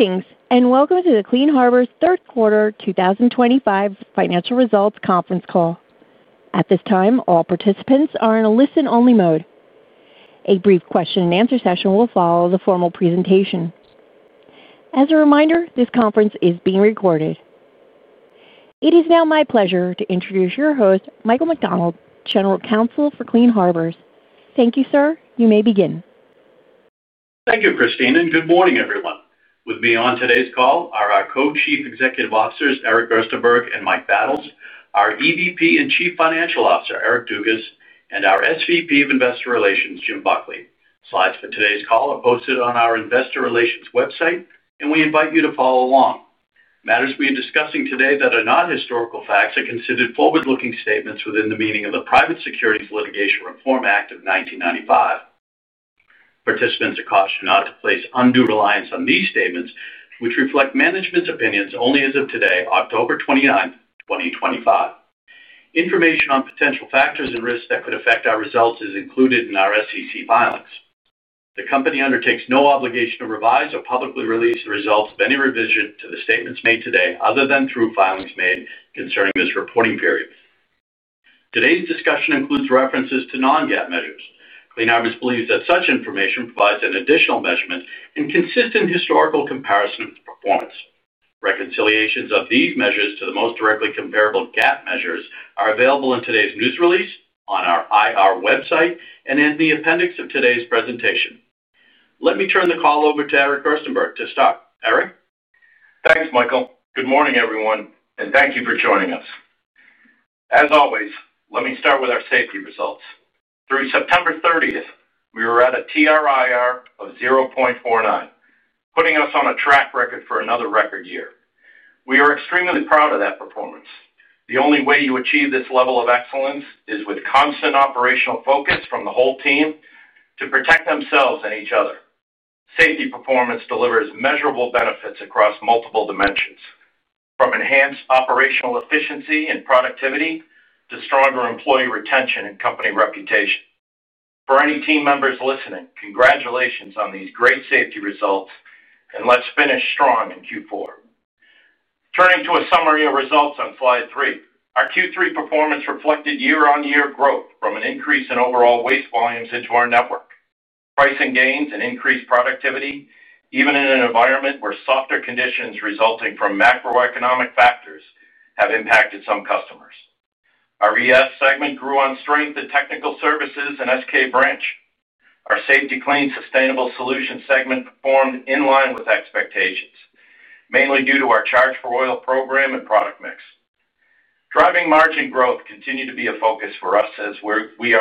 Meetings, and welcome to the Clean Harbors third quarter 2025 financial results conference call. At this time, all participants are in a listen-only mode. A brief question and answer session will follow the formal presentation. As a reminder, this conference is being recorded. It is now my pleasure to introduce your host, Michael McDonald, General Counsel for Clean Harbors. Thank you, sir. You may begin. Thank you, Christine, and good morning, everyone. With me on today's call are our Co-Chief Executive Officers, Eric Gerstenberg and Mike Battles, our EVP and Chief Financial Officer, Eric Dugas, and our SVP of Investor Relations, Jim Buckley. Slides for today's call are posted on our Investor Relations website, and we invite you to follow along. Matters we are discussing today that are not historical facts are considered forward-looking statements within the meaning of the Private Securities Litigation Reform Act of 1995. Participants are cautioned not to place undue reliance on these statements, which reflect management's opinions only as of today, October 29, 2025. Information on potential factors and risks that could affect our results is included in our SEC filings. The company undertakes no obligation to revise or publicly release the results of any revision to the statements made today other than through filings made concerning this reporting period. Today's discussion includes references to non-GAAP measures. Clean Harbors believes that such information provides an additional measurement and consistent historical comparison of the performance. Reconciliations of these measures to the most directly comparable GAAP measures are available in today's news release on our IR website and in the appendix of today's presentation. Let me turn the call over to Eric Gerstenberg to start. Eric? Thanks, Michael. Good morning, everyone, and thank you for joining us. As always, let me start with our safety results. Through September 30, we were at a TRIR of 0.49, putting us on a track record for another record year. We are extremely proud of that performance. The only way you achieve this level of excellence is with constant operational focus from the whole team to protect themselves and each other. Safety performance delivers measurable benefits across multiple dimensions, from enhanced operational efficiency and productivity to stronger employee retention and company reputation. For any team members listening, congratulations on these great safety results, and let's finish strong in Q4. Turning to a summary of results on slide three, our Q3 performance reflected year-on-year growth from an increase in overall waste volumes into our network, pricing gains, and increased productivity, even in an environment where softer conditions resulting from macroeconomic factors have impacted some customers. Our ES segment grew on strength in technical services and SK branch. Our Safety-Kleen Sustainable Solutions segment performed in line with expectations, mainly due to our charge-for-oil program and product mix. Driving margin growth continued to be a focus for us as we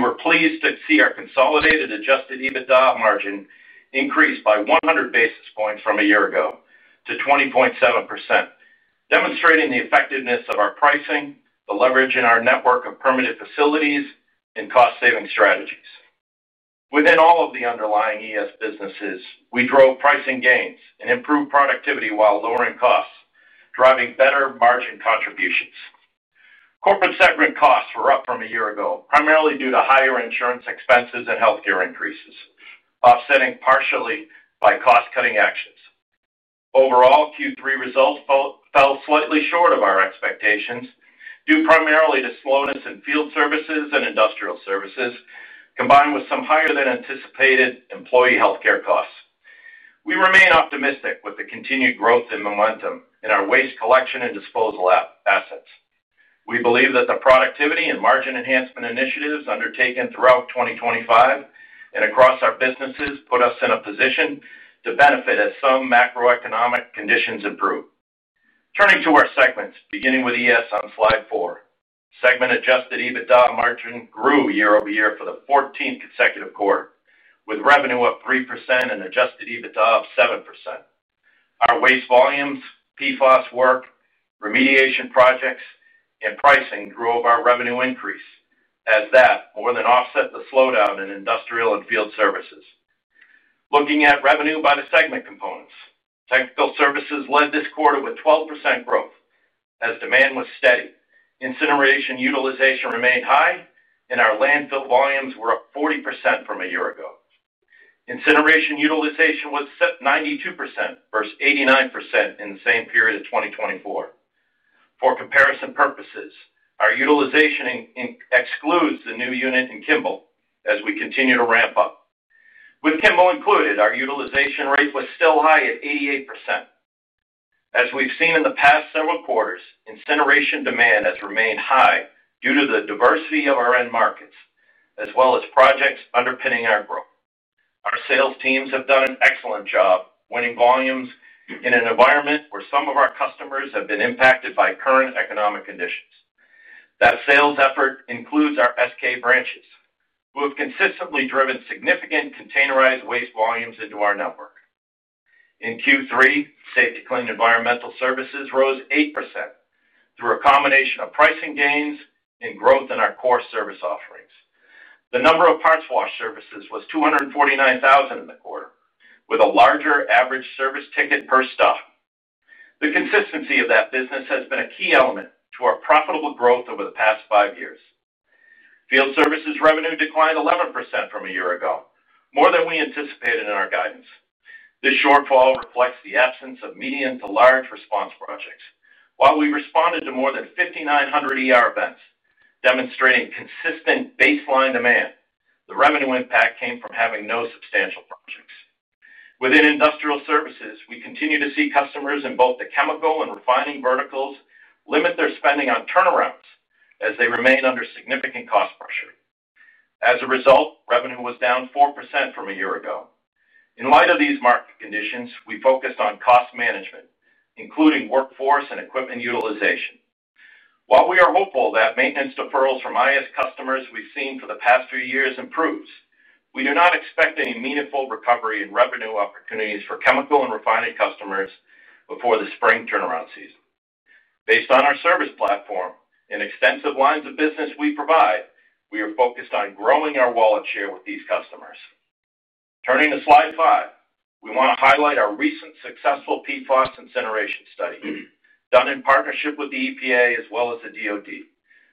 were pleased to see our consolidated Adjusted EBITDA margin increase by 100 basis points from a year ago to 20.7%, demonstrating the effectiveness of our pricing, the leverage in our network of permitted facilities, and cost-saving strategies. Within all of the underlying ES businesses, we drove pricing gains and improved productivity while lowering costs, driving better margin contributions. Corporate segment costs were up from a year ago, primarily due to higher insurance expenses and healthcare increases, offsetting partially by cost-cutting actions. Overall, Q3 results fell slightly short of our expectations, due primarily to slowness in field services and industrial services, combined with some higher than anticipated employee healthcare costs. We remain optimistic with the continued growth in momentum in our waste collection and disposal assets. We believe that the productivity and margin enhancement initiatives undertaken throughout 2023 and across our businesses put us in a position to benefit as some macroeconomic conditions improve. Turning to our segments, beginning with ES on slide four, segment Adjusted EBITDA margin grew year over year for the 14th consecutive quarter, with revenue up 3% and Adjusted EBITDA of 7%. Our waste volumes, PFAS work, remediation projects, and pricing drove our revenue increase, as that more than offset the slowdown in industrial and field services. Looking at revenue by the segment components, technical services led this quarter with 12% growth, as demand was steady. Incineration utilization remained high, and our landfill volumes were up 40% from a year ago. Incineration utilization was set at 92% versus 89% in the same period of 2024. For comparison purposes, our utilization excludes the new unit in Kimble, as we continue to ramp up. With Kimble included, our utilization rate was still high at 88%. As we've seen in the past several quarters, incineration demand has remained high due to the diversity of our end markets, as well as projects underpinning our growth. Our sales teams have done an excellent job winning volumes in an environment where some of our customers have been impacted by current economic conditions. That sales effort includes our SK branches, who have consistently driven significant containerized waste volumes into our network. In Q3, Safety-Kleen Environmental services rose 8% through a combination of pricing gains and growth in our core service offerings. The number of parts washer services was 249,000 in the quarter, with a larger average service ticket per stop. The consistency of that business has been a key element to our profitable growth over the past five years. Field services revenue declined 11% from a year ago, more than we anticipated in our guidance. This shortfall reflects the absence of medium to large response projects. While we responded to more than 5,900 events, demonstrating consistent baseline demand, the revenue impact came from having no substantial projects. Within industrial services, we continue to see customers in both the chemical and refining verticals limit their spending on turnarounds, as they remain under significant cost pressure. As a result, revenue was down 4% from a year ago. In light of these market conditions, we focused on cost management, including workforce and equipment utilization. While we are hopeful that maintenance deferrals from IS customers we've seen for the past few years improve, we do not expect any meaningful recovery in revenue opportunities for chemical and refining customers before the spring turnaround season. Based on our service platform and extensive lines of business we provide, we are focused on growing our wallet share with these customers. Turning to slide five, we want to highlight our recent successful PFAS incineration study done in partnership with the EPA, as well as the Department of Defense.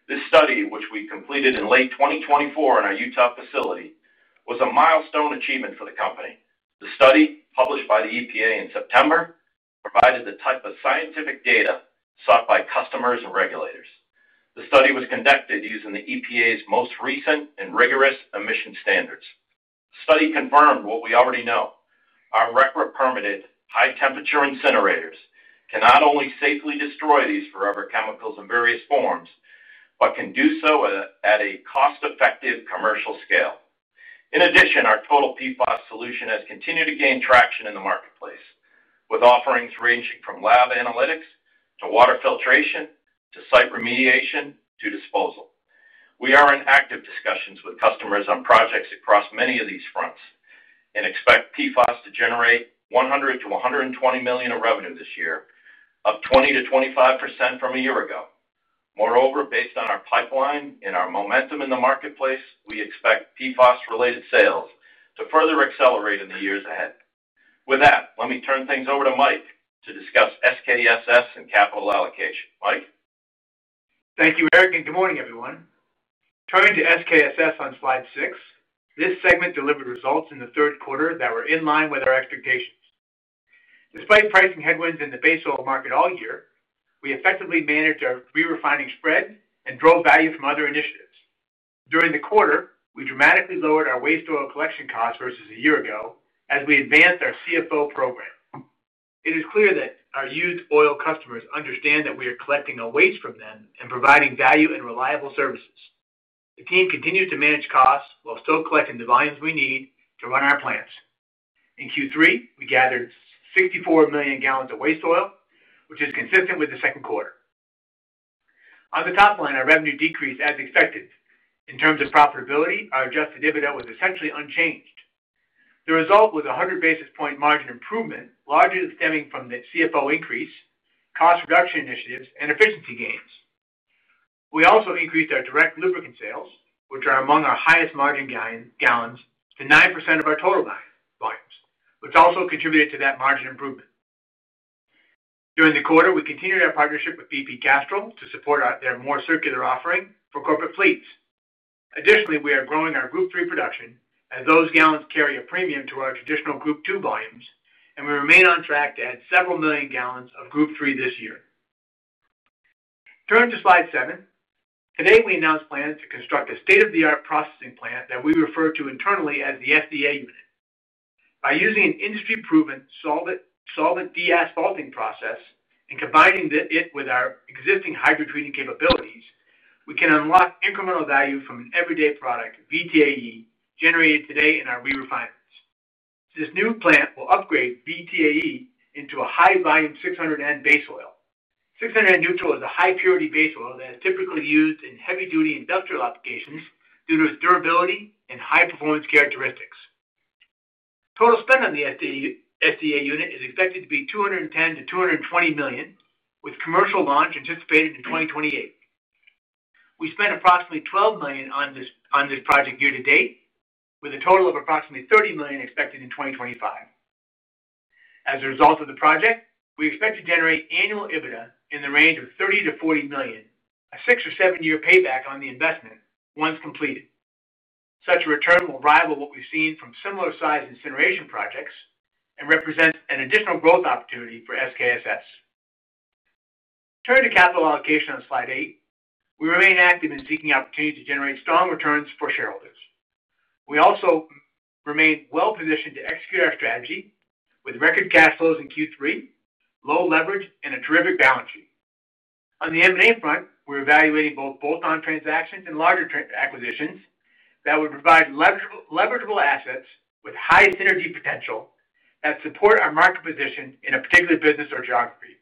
This study, which we completed in late 2024 in our Utah facility, was a milestone achievement for the company. The study, published by the EPA in September, provided the type of scientific data sought by customers and regulators. The study was conducted using the EPA's most recent and rigorous emission standards. The study confirmed what we already know: our retro permitted high-temperature incinerators can not only safely destroy these forever chemicals in various forms, but can do so at a cost-effective commercial scale. In addition, our total PFAS solution has continued to gain traction in the marketplace, with offerings ranging from lab analytics to water filtration to site remediation to disposal. We are in active discussions with customers on projects across many of these fronts and expect PFAS to generate $100 million-$120 million in revenue this year, up 20%-25% from a year ago. Moreover, based on our pipeline and our momentum in the marketplace, we expect PFAS-related sales to further accelerate in the years ahead. With that, let me turn things over to Mike to discuss SKSS and capital allocation. Mike. Thank you, Eric, and good morning, everyone. Turning to SKSS on slide six, this segment delivered results in the third quarter that were in line with our expectations. Despite pricing headwinds in the base oil market all year, we effectively managed our re-refining spread and drove value from other initiatives. During the quarter, we dramatically lowered our waste oil collection costs versus a year ago as we advanced our CFO program. It is clear that our used oil customers understand that we are collecting a waste from them and providing value and reliable services. The team continues to manage costs while still collecting the volumes we need to run our plants. In Q3, we gathered 64 million gallons of waste oil, which is consistent with the second quarter. On the top line, our revenue decreased as expected. In terms of profitability, our Adjusted EBITDA was essentially unchanged. The result was a 100 basis point margin improvement, largely stemming from the CFO increase, cost reduction initiatives, and efficiency gains. We also increased our direct lubricant sales, which are among our highest margin gallons, to 9% of our total volumes, which also contributed to that margin improvement. During the quarter, we continued our partnership with BP Castrol to support their more circular offering for corporate fleets. Additionally, we are growing our Group 3 production, as those gallons carry a premium to our traditional Group 2 volumes, and we remain on track to add several million gallons of Group 3 this year. Turning to slide seven, today we announced plans to construct a state-of-the-art processing plant that we refer to internally as the SDA unit. By using an industry-proven solvent de-asphalting process and combining it with our existing hydrotreating capabilities, we can unlock incremental value from an everyday product, VTAE, generated today in our re-refining. This new plant will upgrade VTAE into a high-volume 600N base oil. 600N neutral is a high-purity base oil that is typically used in heavy-duty industrial applications due to its durability and high-performance characteristics. Total spend on the SDA unit is expected to be $210 million-$220 million, with commercial launch anticipated in 2028. We spent approximately $12 million on this project year to date, with a total of approximately $30 million expected in 2025. As a result of the project, we expect to generate annual EBITDA in the range of $30 million-$40 million, a six or seven-year payback on the investment once completed. Such a return will rival what we've seen from similar size incineration projects and represent an additional growth opportunity for SKSS. Turning to capital allocation on slide eight, we remain active in seeking opportunities to generate strong returns for shareholders. We also remain well-positioned to execute our strategy with record cash flows in Q3, low leverage, and a terrific balance sheet. On the M&A front, we're evaluating both bolt-on transactions and larger acquisitions that would provide leverageable assets with high synergy potential that support our market position in a particular business or geography.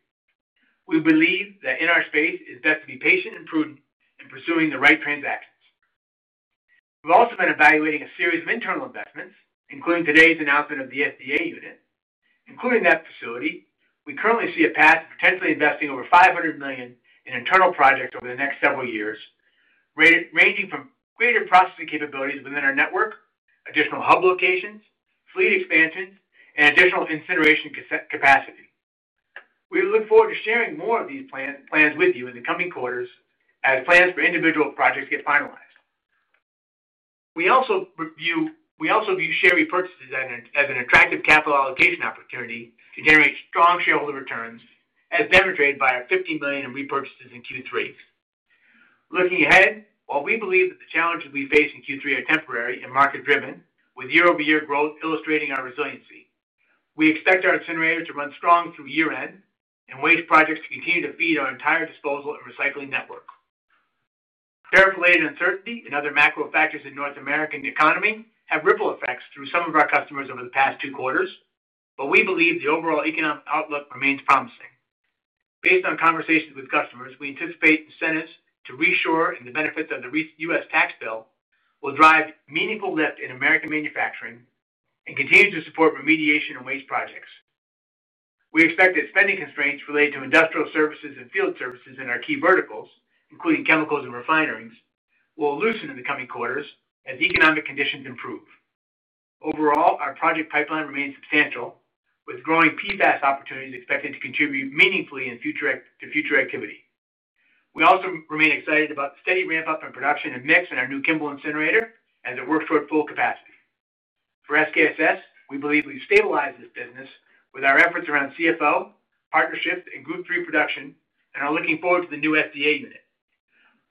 We believe that in our space, it's best to be patient and prudent in pursuing the right transactions. We've also been evaluating a series of internal investments, including today's announcement of the SDA unit. Including that facility, we currently see a path to potentially investing over $500 million in internal projects over the next several years, ranging from greater processing capabilities within our network, additional hub locations, fleet expansions, and additional incineration capacity. We look forward to sharing more of these plans with you in the coming quarters as plans for individual projects get finalized. We also view share repurchases as an attractive capital allocation opportunity to generate strong shareholder returns as demonstrated by our $50 million in repurchases in Q3. Looking ahead, while we believe that the challenges we face in Q3 are temporary and market-driven, with year-over-year growth illustrating our resiliency, we expect our incinerators to run strong through year-end and waste projects to continue to feed our entire disposal and recycling network. Term-related uncertainty and other macro factors in the North American economy have ripple effects through some of our customers over the past two quarters, but we believe the overall economic outlook remains promising. Based on conversations with customers, we anticipate incentives to reshore and the benefits of the recent U.S. tax bill will drive meaningful lift in American manufacturing and continue to support remediation and waste projects. We expect that spending constraints related to industrial services and field services in our key verticals, including chemicals and refineries, will loosen in the coming quarters as economic conditions improve. Overall, our project pipeline remains substantial, with growing PFAS opportunities expected to contribute meaningfully to future activity. We also remain excited about the steady ramp-up in production and mix in our new Kimble incinerator as it works toward full capacity. For SKSS, we believe we've stabilized this business with our efforts around CFO, partnerships, and Group 3 production, and are looking forward to the new SDA unit.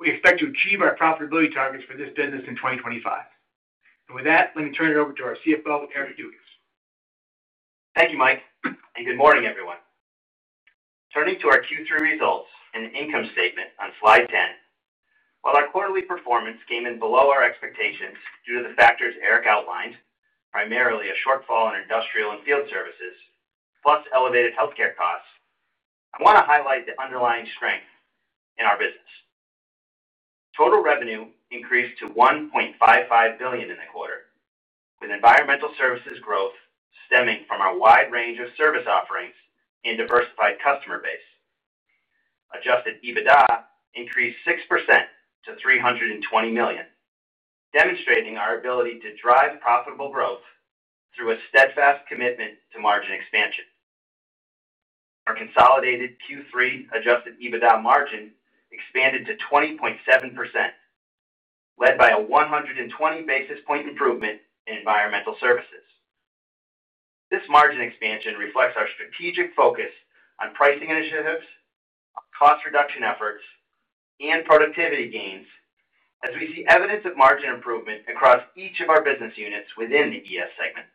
We expect to achieve our profitability targets for this business in 2025. With that, let me turn it over to our CFO, Eric Dugas. Thank you, Mike, and good morning, everyone. Turning to our Q3 results and the income statement on slide 10, while our quarterly performance came in below our expectations due to the factors Eric outlined, primarily a shortfall in industrial and field services, plus elevated healthcare costs, I want to highlight the underlying strength in our business. Total revenue increased to $1.55 billion in the quarter, with environmental services growth stemming from our wide range of service offerings and diversified customer base. Adjusted EBITDA increased 6% to $320 million, demonstrating our ability to drive profitable growth through a steadfast commitment to margin expansion. Our consolidated Q3 Adjusted EBITDA margin expanded to 20.7%, led by a 120 basis point improvement in environmental services. This margin expansion reflects our strategic focus on pricing initiatives, cost reduction efforts, and productivity gains, as we see evidence of margin improvement across each of our business units within the ES segment.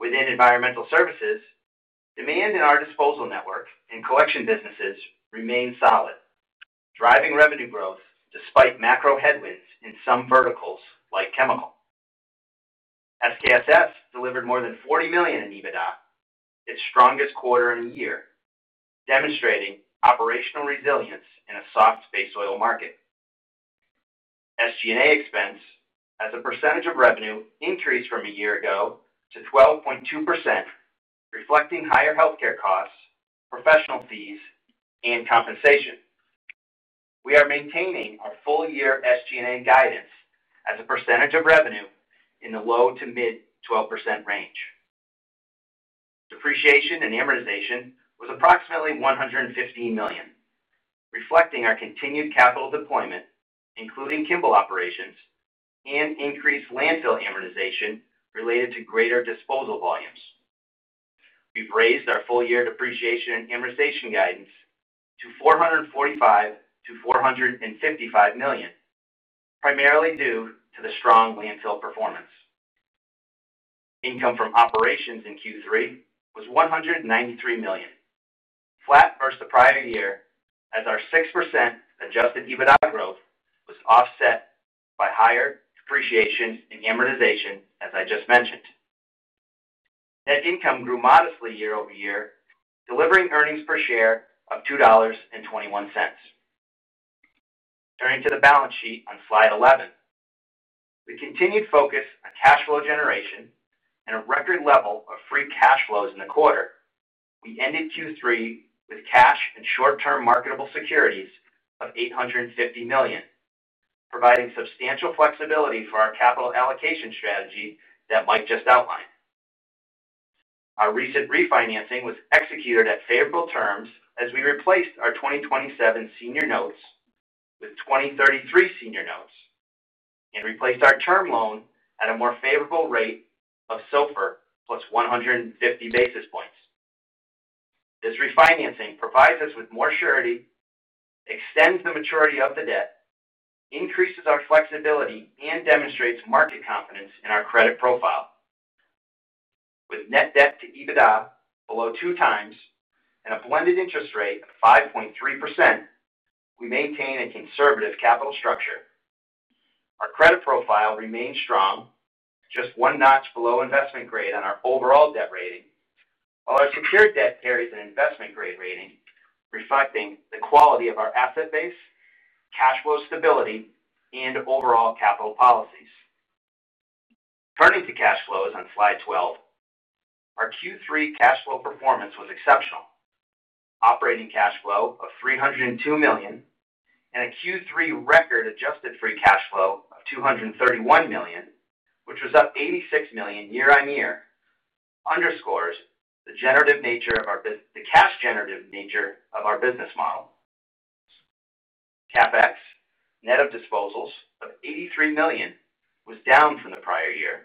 Within environmental services, demand in our disposal network and collection businesses remains solid, driving revenue growth despite macro headwinds in some verticals like chemical. SKSS delivered more than $40 million in EBITDA, its strongest quarter in a year, demonstrating operational resilience in a soft base oil market. SG&A expense as a percentage of revenue increased from a year ago to 12.2%, reflecting higher healthcare costs, professional fees, and compensation. We are maintaining our full-year SG&A guidance as a percentage of revenue in the low to mid-12% range. Depreciation and amortization was approximately $115 million, reflecting our continued capital deployment, including Kimble operations, and increased landfill amortization related to greater disposal volumes. We've raised our full-year depreciation and amortization guidance to $445 million to $455 million, primarily due to the strong landfill performance. Income from operations in Q3 was $193 million, flat versus the prior year, as our 6% Adjusted EBITDA growth was offset by higher depreciation and amortization, as I just mentioned. Net income grew modestly year over year, delivering earnings per share of $2.21. Turning to the balance sheet on slide 11, with continued focus on cash flow generation and a record level of free cash flows in the quarter, we ended Q3 with cash and short-term marketable securities of $850 million, providing substantial flexibility for our capital allocation strategy that Mike just outlined. Our recent refinancing was executed at favorable terms as we replaced our 2027 senior notes with 2033 senior notes and replaced our term loan at a more favorable rate of SOFR plus 150 basis points. This refinancing provides us with more surety, extends the maturity of the debt, increases our flexibility, and demonstrates market confidence in our credit profile. With net debt to EBITDA below two times and a blended interest rate of 5.3%, we maintain a conservative capital structure. Our credit profile remains strong, just one notch below investment grade on our overall debt rating, while our secured debt carries an investment grade rating, reflecting the quality of our asset base, cash flow stability, and overall capital policies. Turning to cash flows on slide 12, our Q3 cash flow performance was exceptional. Operating cash flow of $302 million and a Q3 record adjusted free cash flow of $231 million, which was up $86 million year on year, underscores the generative nature of our business, the cash generative nature of our business model. CapEx, net of disposals of $83 million, was down from the prior year,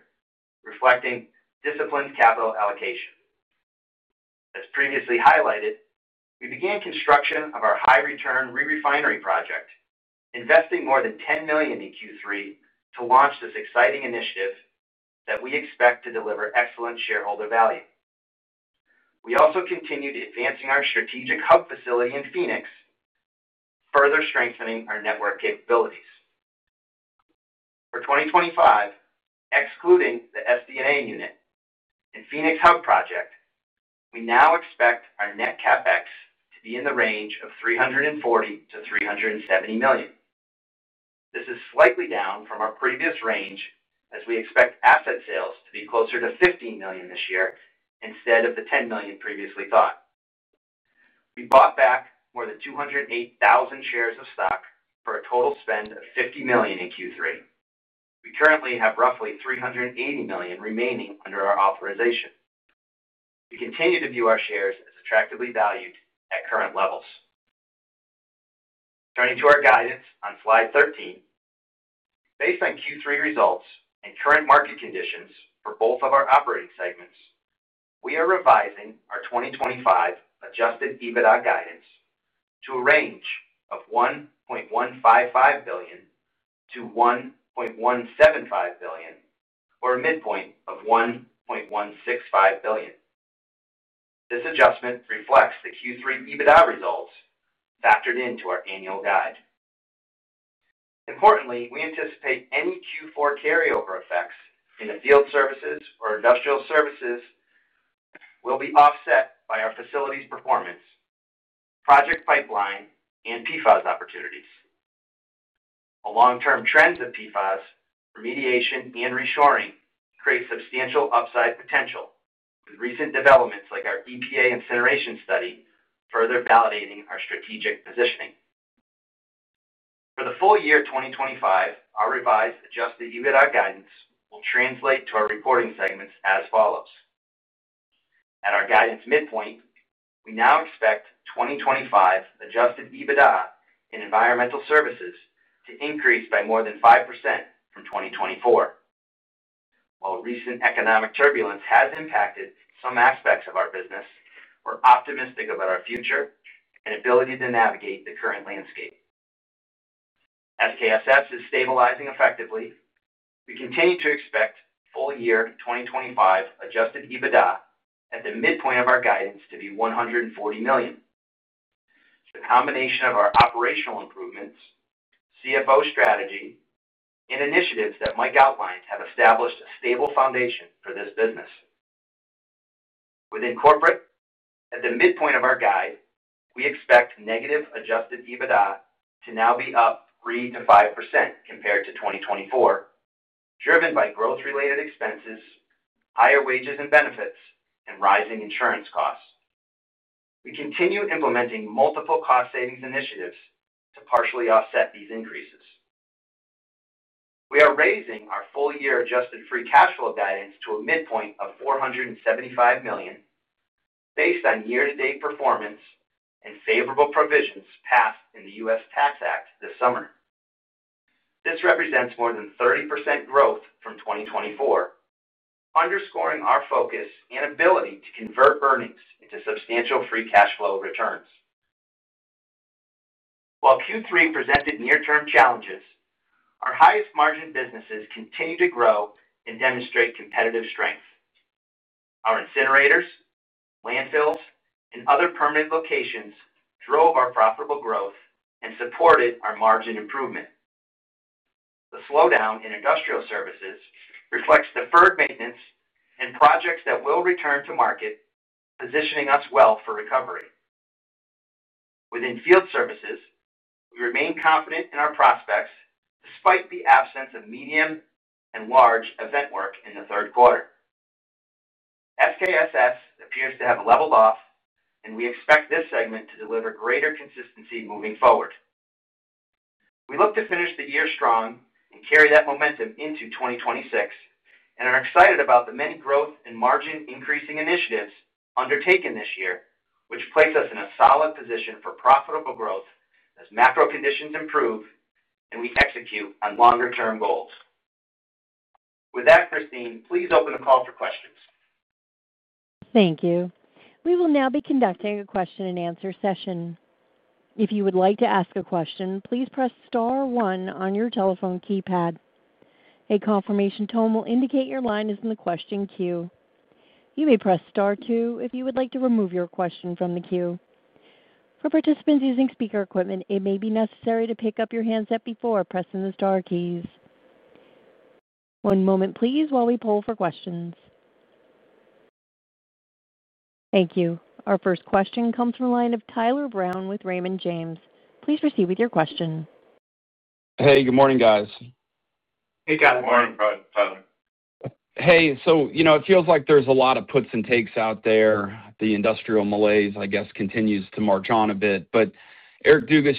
reflecting disciplined capital allocation. As previously highlighted, we began construction of our high-return re-refinery project, investing more than $10 million in Q3 to launch this exciting initiative that we expect to deliver excellent shareholder value. We also continued advancing our strategic hub facility in Phoenix, further strengthening our network capabilities. For 2025, excluding the SDA unit and Phoenix hub project, we now expect our net CapEx to be in the range of $340 million-$370 million. This is slightly down from our previous range, as we expect asset sales to be closer to $15 million this year instead of the $10 million previously thought. We bought back more than 208,000 shares of stock for a total spend of $50 million in Q3. We currently have roughly $380 million remaining under our authorization. We continue to view our shares as attractively valued at current levels. Turning to our guidance on slide 13, based on Q3 results and current market conditions for both of our operating segments, we are revising our 2025 Adjusted EBITDA guidance to a range of $1.155 billion-$1.175 billion, or a midpoint of $1.165 billion. This adjustment reflects the Q3 EBITDA results factored into our annual guide. Importantly, we anticipate any Q4 carryover effects in the field services or industrial services will be offset by our facility's performance, project pipeline, and PFAS opportunities. A long-term trend of PFAS remediation and reshoring creates substantial upside potential, with recent developments like our EPA incineration study further validating our strategic positioning. For the full year 2025, our revised Adjusted EBITDA guidance will translate to our reporting segments as follows. At our guidance midpoint, we now expect 2025 Adjusted EBITDA in environmental services to increase by more than 5% from 2024. While recent economic turbulence has impacted some aspects of our business, we're optimistic about our future and ability to navigate the current landscape. SKSS is stabilizing effectively. We continue to expect full year 2025 Adjusted EBITDA at the midpoint of our guidance to be $140 million. The combination of our operational improvements, CFO strategy, and initiatives that Mike outlined have established a stable foundation for this business. Within corporate, at the midpoint of our guide, we expect negative Adjusted EBITDA to now be up 3%-5% compared to 2024, driven by growth-related expenses, higher wages and benefits, and rising insurance costs. We continue implementing multiple cost-savings initiatives to partially offset these increases. We are raising our full year adjusted free cash flow guidance to a midpoint of $475 million, based on year-to-date performance and favorable provisions passed in the U.S. Tax Act this summer. This represents more than 30% growth from 2024, underscoring our focus and ability to convert earnings into substantial free cash flow returns. While Q3 presented near-term challenges, our highest margin businesses continue to grow and demonstrate competitive strength. Our incinerators, landfills, and other permanent locations drove our profitable growth and supported our margin improvement. The slowdown in industrial services reflects deferred maintenance and projects that will return to market, positioning us well for recovery. Within field services, we remain confident in our prospects despite the absence of medium and large event work in the third quarter. SKSS appears to have leveled off, and we expect this segment to deliver greater consistency moving forward. We look to finish the year strong and carry that momentum into 2026 and are excited about the many growth and margin increasing initiatives undertaken this year, which places us in a solid position for profitable growth as macro conditions improve and we execute on longer-term goals. With that, Christine, please open the call for questions. Thank you. We will now be conducting a question and answer session. If you would like to ask a question, please press star one on your telephone keypad. A confirmation tone will indicate your line is in the question queue. You may press star two if you would like to remove your question from the queue. For participants using speaker equipment, it may be necessary to pick up your handset before pressing the star keys. One moment, please, while we poll for questions. Thank you. Our first question comes from the line of Tyler Brown with Raymond James. Please proceed with your question. Hey, good morning, guys. Hey, guys. Morning, Tyler. Hey, you know it feels like there's a lot of puts and takes out there. The industrial malaise, I guess, continues to march on a bit. Eric Dugas,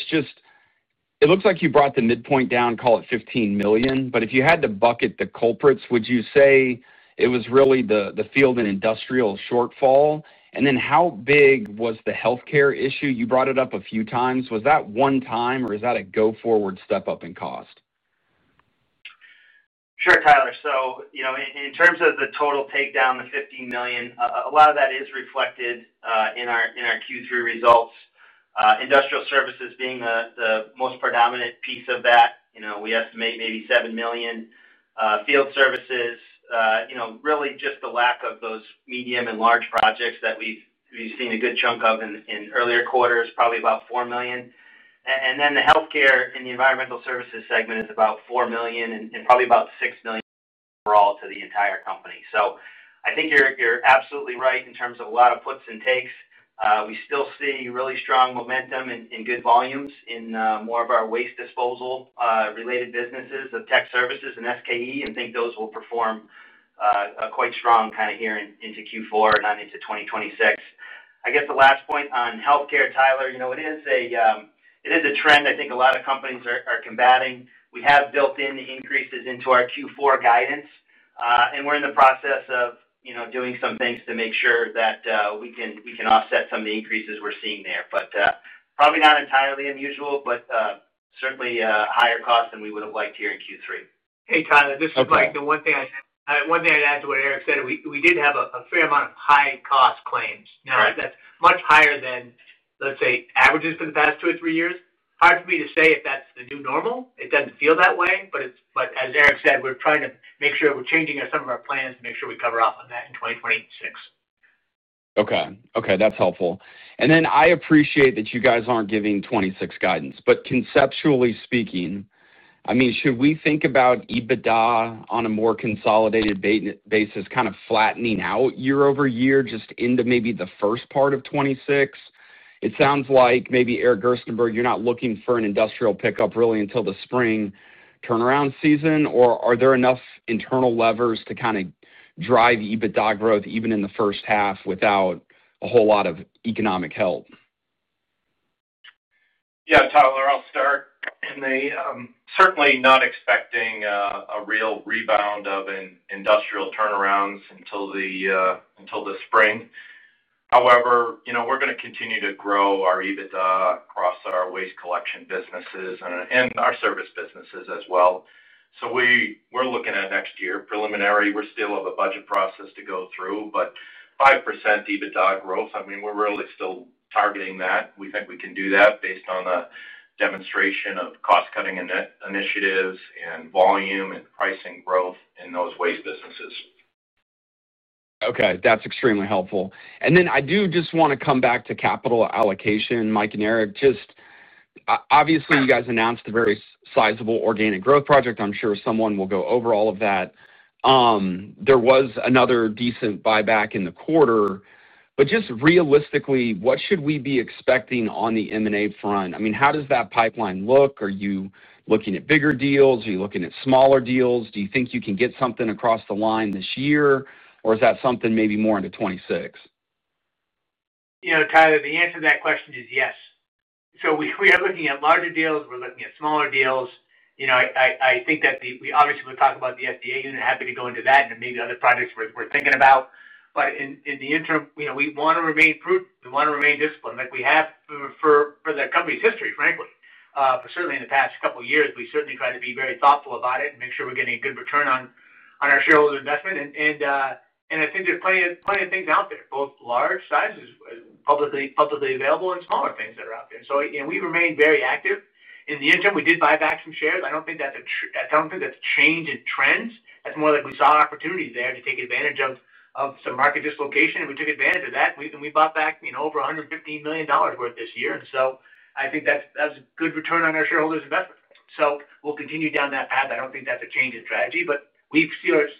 it looks like you brought the midpoint down, call it $15 million. If you had to bucket the culprits, would you say it was really the field and industrial shortfall? How big was the healthcare issue? You brought it up a few times. Was that one time, or is that a go-forward step up in cost? Sure, Tyler. In terms of the total takedown, the $15 million, a lot of that is reflected in our Q3 results. Industrial services being the most predominant piece of that. We estimate maybe $7 million. Field services, really just the lack of those medium and large projects that we've seen a good chunk of in earlier quarters, probably about $4 million. The healthcare and the environmental services segment is about $4 million and probably about $6 million overall to the entire company. I think you're absolutely right in terms of a lot of puts and takes. We still see really strong momentum and good volumes in more of our waste disposal-related businesses of technical services and SKE, and think those will perform quite strong here into Q4 and on into 2026. The last point on healthcare, Tyler, it is a trend I think a lot of companies are combating. We have built-in increases into our Q4 guidance, and we're in the process of doing some things to make sure that we can offset some of the increases we're seeing there. Probably not entirely unusual, but certainly a higher cost than we would have liked here in Q3. Hey, Tyler. This is Mike. The one thing I'd add to what Eric said, we did have a fair amount of high-cost claims. Now that's much higher than, let's say, averages for the past two or three years. Hard for me to say if that's the new normal. It doesn't feel that way, but as Eric said, we're trying to make sure we're changing some of our plans to make sure we cover off on that in 2026. Okay, that's helpful. I appreciate that you guys aren't giving 2026 guidance, but conceptually speaking, should we think about EBITDA on a more consolidated basis, kind of flattening out year over year just into maybe the first part of 2026? It sounds like maybe, Eric Gerstenberg, you're not looking for an industrial pickup really until the spring turnaround season, or are there enough internal levers to kind of drive EBITDA growth even in the first half without a whole lot of economic help? Yeah, Tyler, I'll start. They certainly are not expecting a real rebound of industrial turnarounds until the spring. However, you know we're going to continue to grow our EBITDA across our waste collection businesses and our service businesses as well. We're looking at next year preliminary. We still have a budget process to go through, but 5% EBITDA growth, I mean, we're really still targeting that. We think we can do that based on the demonstration of cost-cutting initiatives and volume and pricing growth in those waste businesses. Okay. That's extremely helpful. I do just want to come back to capital allocation, Mike and Eric. Obviously, you guys announced a very sizable organic growth project. I'm sure someone will go over all of that. There was another decent buyback in the quarter. Realistically, what should we be expecting on the M&A front? I mean, how does that pipeline look? Are you looking at bigger deals? Are you looking at smaller deals? Do you think you can get something across the line this year, or is that something maybe more into 2026? You know. Tyler, the answer to that question is yes. We are looking at larger deals. We're looking at smaller deals. I think that we obviously will talk about the SDA unit. Happy to go into that and maybe other projects we're thinking about. In the interim, we want to remain prudent. We want to remain disciplined like we have for the company's history, frankly. Certainly, in the past couple of years, we certainly try to be very thoughtful about it and make sure we're getting a good return on our shareholder investment. I think there's plenty of things out there, both large sizes publicly available and smaller things that are out there. We remain very active. In the interim, we did buy back some shares. I don't think that's a change in trends. That's more like we saw opportunities there to take advantage of some market dislocation, and we took advantage of that. We bought back over $115 million worth this year. I think that was a good return on our shareholders' investment. We'll continue down that path. I don't think that's a change in strategy, but we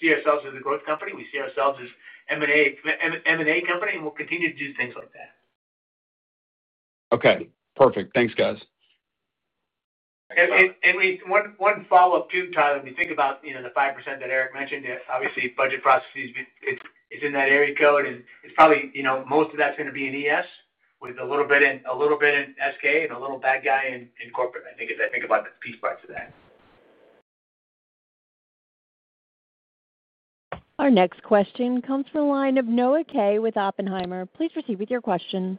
see ourselves as a growth company. We see ourselves as an M&A company, and we'll continue to do things like that. Okay. Perfect. Thanks, guys. One follow-up too, Tyler. When you think about the 5% that Eric mentioned, obviously, budget processes, it's in that area code, and it's probably most of that's going to be in ES, with a little bit in SK and a little bad guy in corporate, I think, as I think about the piece parts of that. Our next question comes from the line of Noah Kaye with Oppenheimer. Please proceed with your question.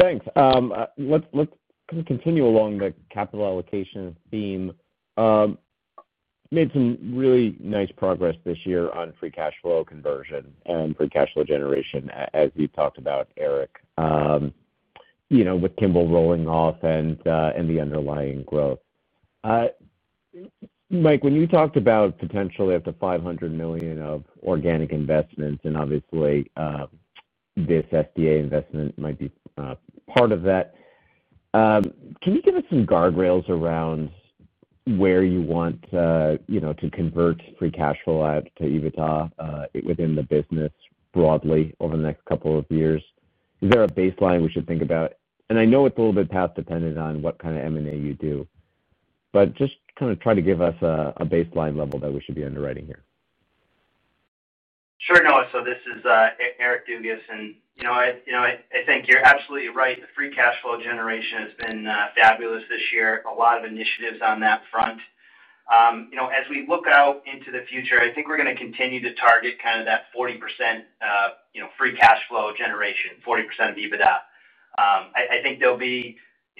Thanks. Let's kind of continue along the capital allocation theme. We made some really nice progress this year on free cash flow conversion and free cash flow generation, as you talked about, Eric, you know with Kimble rolling off and the underlying growth. Mike, when you talked about potentially up to $500 million of organic investments, and obviously, this SDA investment might be part of that, can you give us some guardrails around where you want to convert free cash flow out to EBITDA within the business broadly over the next couple of years? Is there a baseline we should think about? I know it's a little bit past dependent on what kind of M&A you do, but just kind of try to give us a baseline level that we should be underwriting here. Sure. No. This is Eric Dugas, and I think you're absolutely right. The free cash flow generation has been fabulous this year. A lot of initiatives on that front. As we look out into the future, I think we're going to continue to target kind of that 40% free cash flow generation, 40% of EBITDA. I think there'll be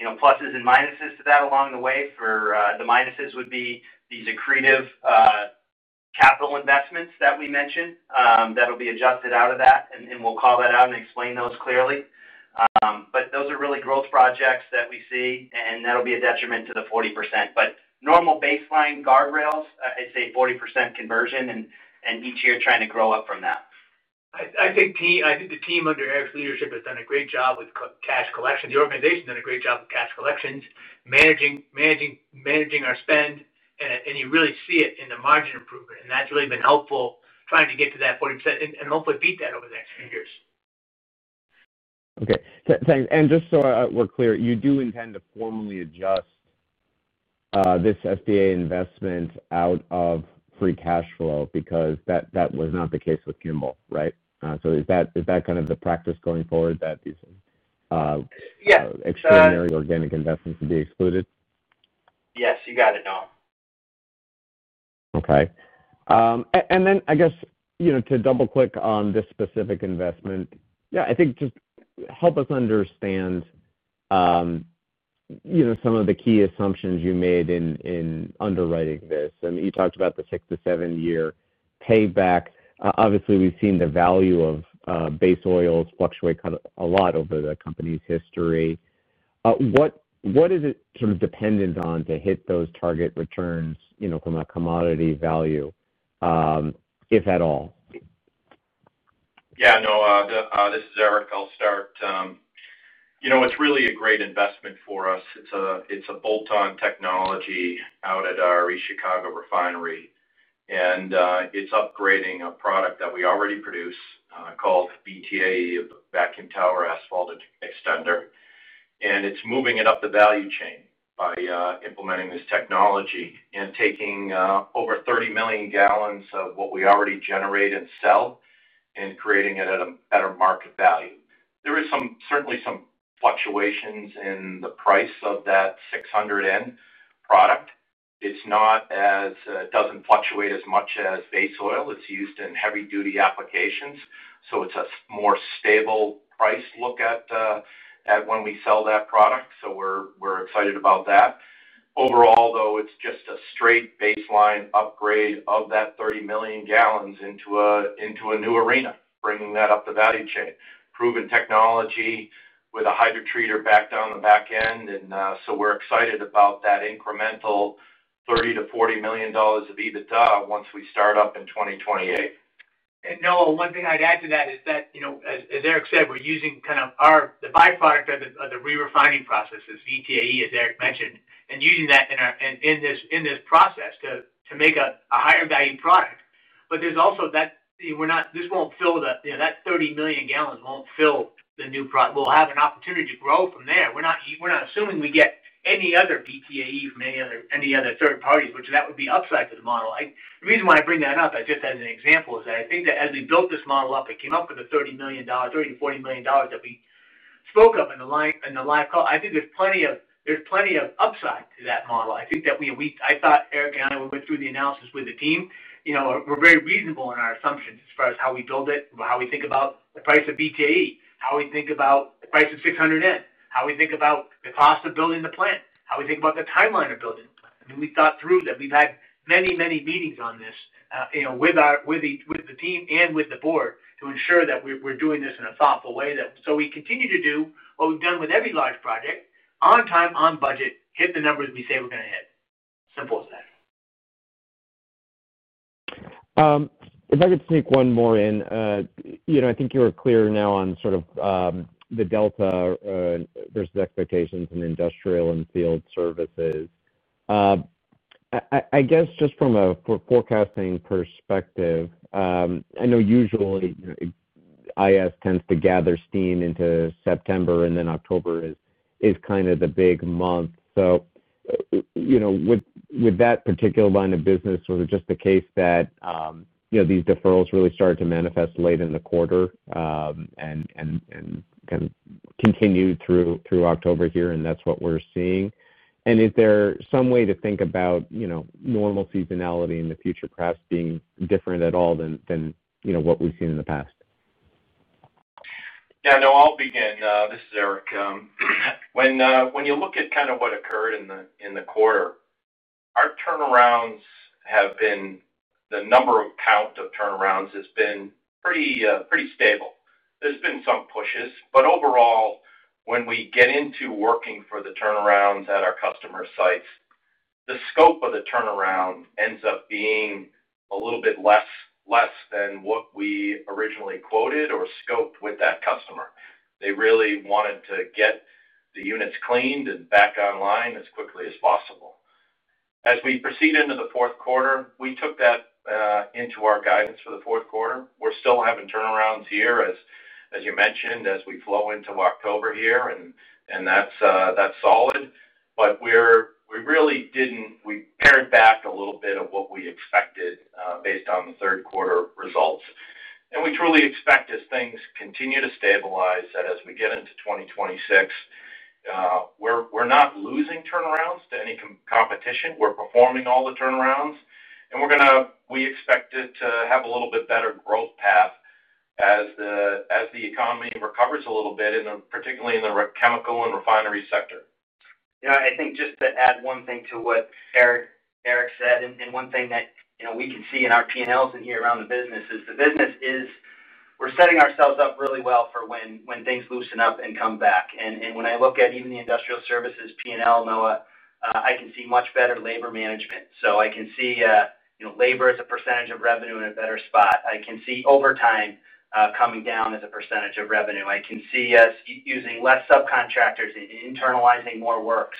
pluses and minuses to that along the way. The minuses would be these accretive capital investments that we mentioned that'll be adjusted out of that, and we'll call that out and explain those clearly. Those are really growth projects that we see, and that'll be a detriment to the 40%. Normal baseline guardrails, I'd say 40% conversion and each year trying to grow up from that. I think the team under Eric's leadership has done a great job with cash collections. The organization's done a great job with cash collections, managing our spend, and you really see it in the margin improvement. That has really been helpful trying to get to that 40% and hopefully beat that over the next few years. Okay. Thanks. Just so we're clear, you do intend to formally adjust this SDA investment out of free cash flow because that was not the case with Kimble, right? Is that kind of the practice going forward that these extraordinary organic investments would be excluded? Yes, you got it, Noah. Okay. To double-click on this specific investment, I think just help us understand some of the key assumptions you made in underwriting this. You talked about the six to seven-year payback. Obviously, we've seen the value of base oils fluctuate a lot over the company's history. What is it sort of dependent on to hit those target returns from a commodity value, if at all? Yeah, Noah, this is Eric. I'll start. You know it's really a great investment for us. It's a bolt-on technology out at our East Chicago refinery, and it's upgrading a product that we already produce called VTAE, a vacuum tower asphalt extract. It's moving it up the value chain by implementing this technology and taking over 30 million gallons of what we already generate and sell and creating it at a better market value. There is certainly some fluctuations in the price of that 600N product. It doesn't fluctuate as much as base oil. It's used in heavy-duty applications, so it's a more stable price look at when we sell that product. We're excited about that. Overall, though, it's just a straight baseline upgrade of that 30 million gallons into a new arena, bringing that up the value chain. Proven technology with a hydrotreater back down the back end, and we're excited about that incremental $30 million to $40 million of EBITDA once we start up in 2028. Noah, one thing I'd add to that is that, you know as Eric said, we're using kind of the byproduct of the re-refining processes, VTAE, as Eric mentioned, and using that in this process to make a higher-value product. There's also that we're not, this won't fill the, that 30 million gal won't fill the new product. We'll have an opportunity to grow from there. We're not assuming we get any other VTAE from any other third parties, which that would be upside to the model. The reason why I bring that up just as an example is that I think that as we built this model up, it came up with the $30 million, $30 million to $40 million that we spoke of in the live call. I think there's plenty of upside to that model. I think that we, I thought Eric and I, when we went through the analysis with the team, you know we're very reasonable in our assumptions as far as how we build it, how we think about the price of VTAE, how we think about the price of 600N, how we think about the cost of building the plant, how we think about the timeline of building the plant. I mean, we thought through that, we've had many, many meetings on this, you know with the team and with the board to ensure that we're doing this in a thoughtful way, so we continue to do what we've done with every large project: on time, on budget, hit the numbers we say we're going to hit. Simple as that. If I could sneak one more in, I think you were clear now on sort of the delta versus expectations in industrial and field services. I guess just from a forecasting perspective, I know usually IS tends to gather steam into September, and October is kind of the big month. With that particular line of business, was it just the case that these deferrals really started to manifest late in the quarter and kind of continued through October here, and that's what we're seeing? Is there some way to think about normal seasonality in the future perhaps being different at all than what we've seen in the past? Yeah, Noah, I'll begin. This is Eric. When you look at kind of what occurred in the quarter, our turnarounds have been, the number of count of turnarounds has been pretty stable. There's been some pushes, but overall, when we get into working for the turnarounds at our customer sites, the scope of the turnaround ends up being a little bit less than what we originally quoted or scoped with that customer. They really wanted to get the units cleaned and back online as quickly as possible. As we proceed into the fourth quarter, we took that into our guidance for the fourth quarter. We're still having turnarounds here, as you mentioned, as we flow into October here, and that's solid. We really didn't, we pared back a little bit of what we expected based on the third quarter results. We truly expect, as things continue to stabilize, that as we get into 2026, we're not losing turnarounds to any competition. We're performing all the turnarounds, and we expect it to have a little bit better growth path as the economy recovers a little bit, particularly in the chemical and refinery sector. Yeah, I think just to add one thing to what Eric said, one thing that we can see in our P&Ls and hear around the business is the business is we're setting ourselves up really well for when things loosen up and come back. When I look at even the industrial services P&L, Noah, I can see much better labor management. I can see labor as a percentage of revenue in a better spot. I can see overtime coming down as a percentage of revenue. I can see us using less subcontractors and internalizing more work.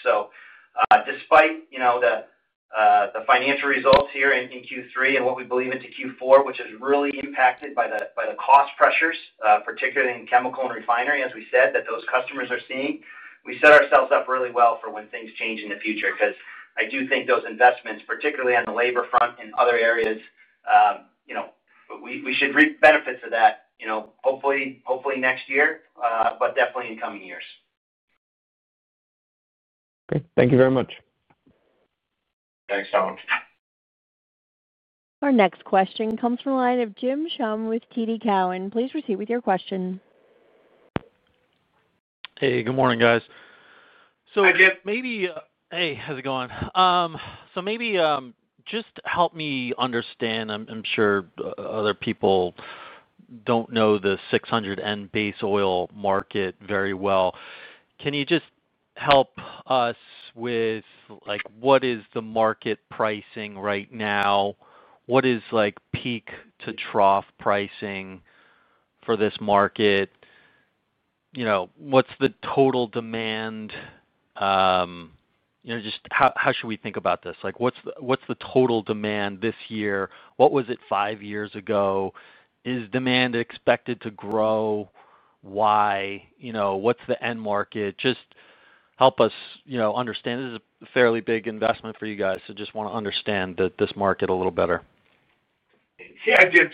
Despite the financial results here in Q3 and what we believe into Q4, which is really impacted by the cost pressures, particularly in chemical and refinery, as we said, that those customers are seeing, we set ourselves up really well for when things change in the future because I do think those investments, particularly on the labor front and other areas, we should reap benefits of that, hopefully next year, but definitely in coming years. Okay, thank you very much. Thanks, Noah. Our next question comes from the line of James Schumm with TD Cowen. Please proceed with your question. Hey, good morning, guys. Hi, Jim. Hey, how's it going? Maybe just help me understand. I'm sure other people don't know the 600N base oil market very well. Can you just help us with what is the market pricing right now? What is peak to trough pricing for this market? You know, what's the total demand? Just how should we think about this? What's the total demand this year? What was it five years ago? Is demand expected to grow? Why? What's the end market? Just help us understand. This is a fairly big investment for you guys, so just want to understand this market a little better. Yeah, Jim.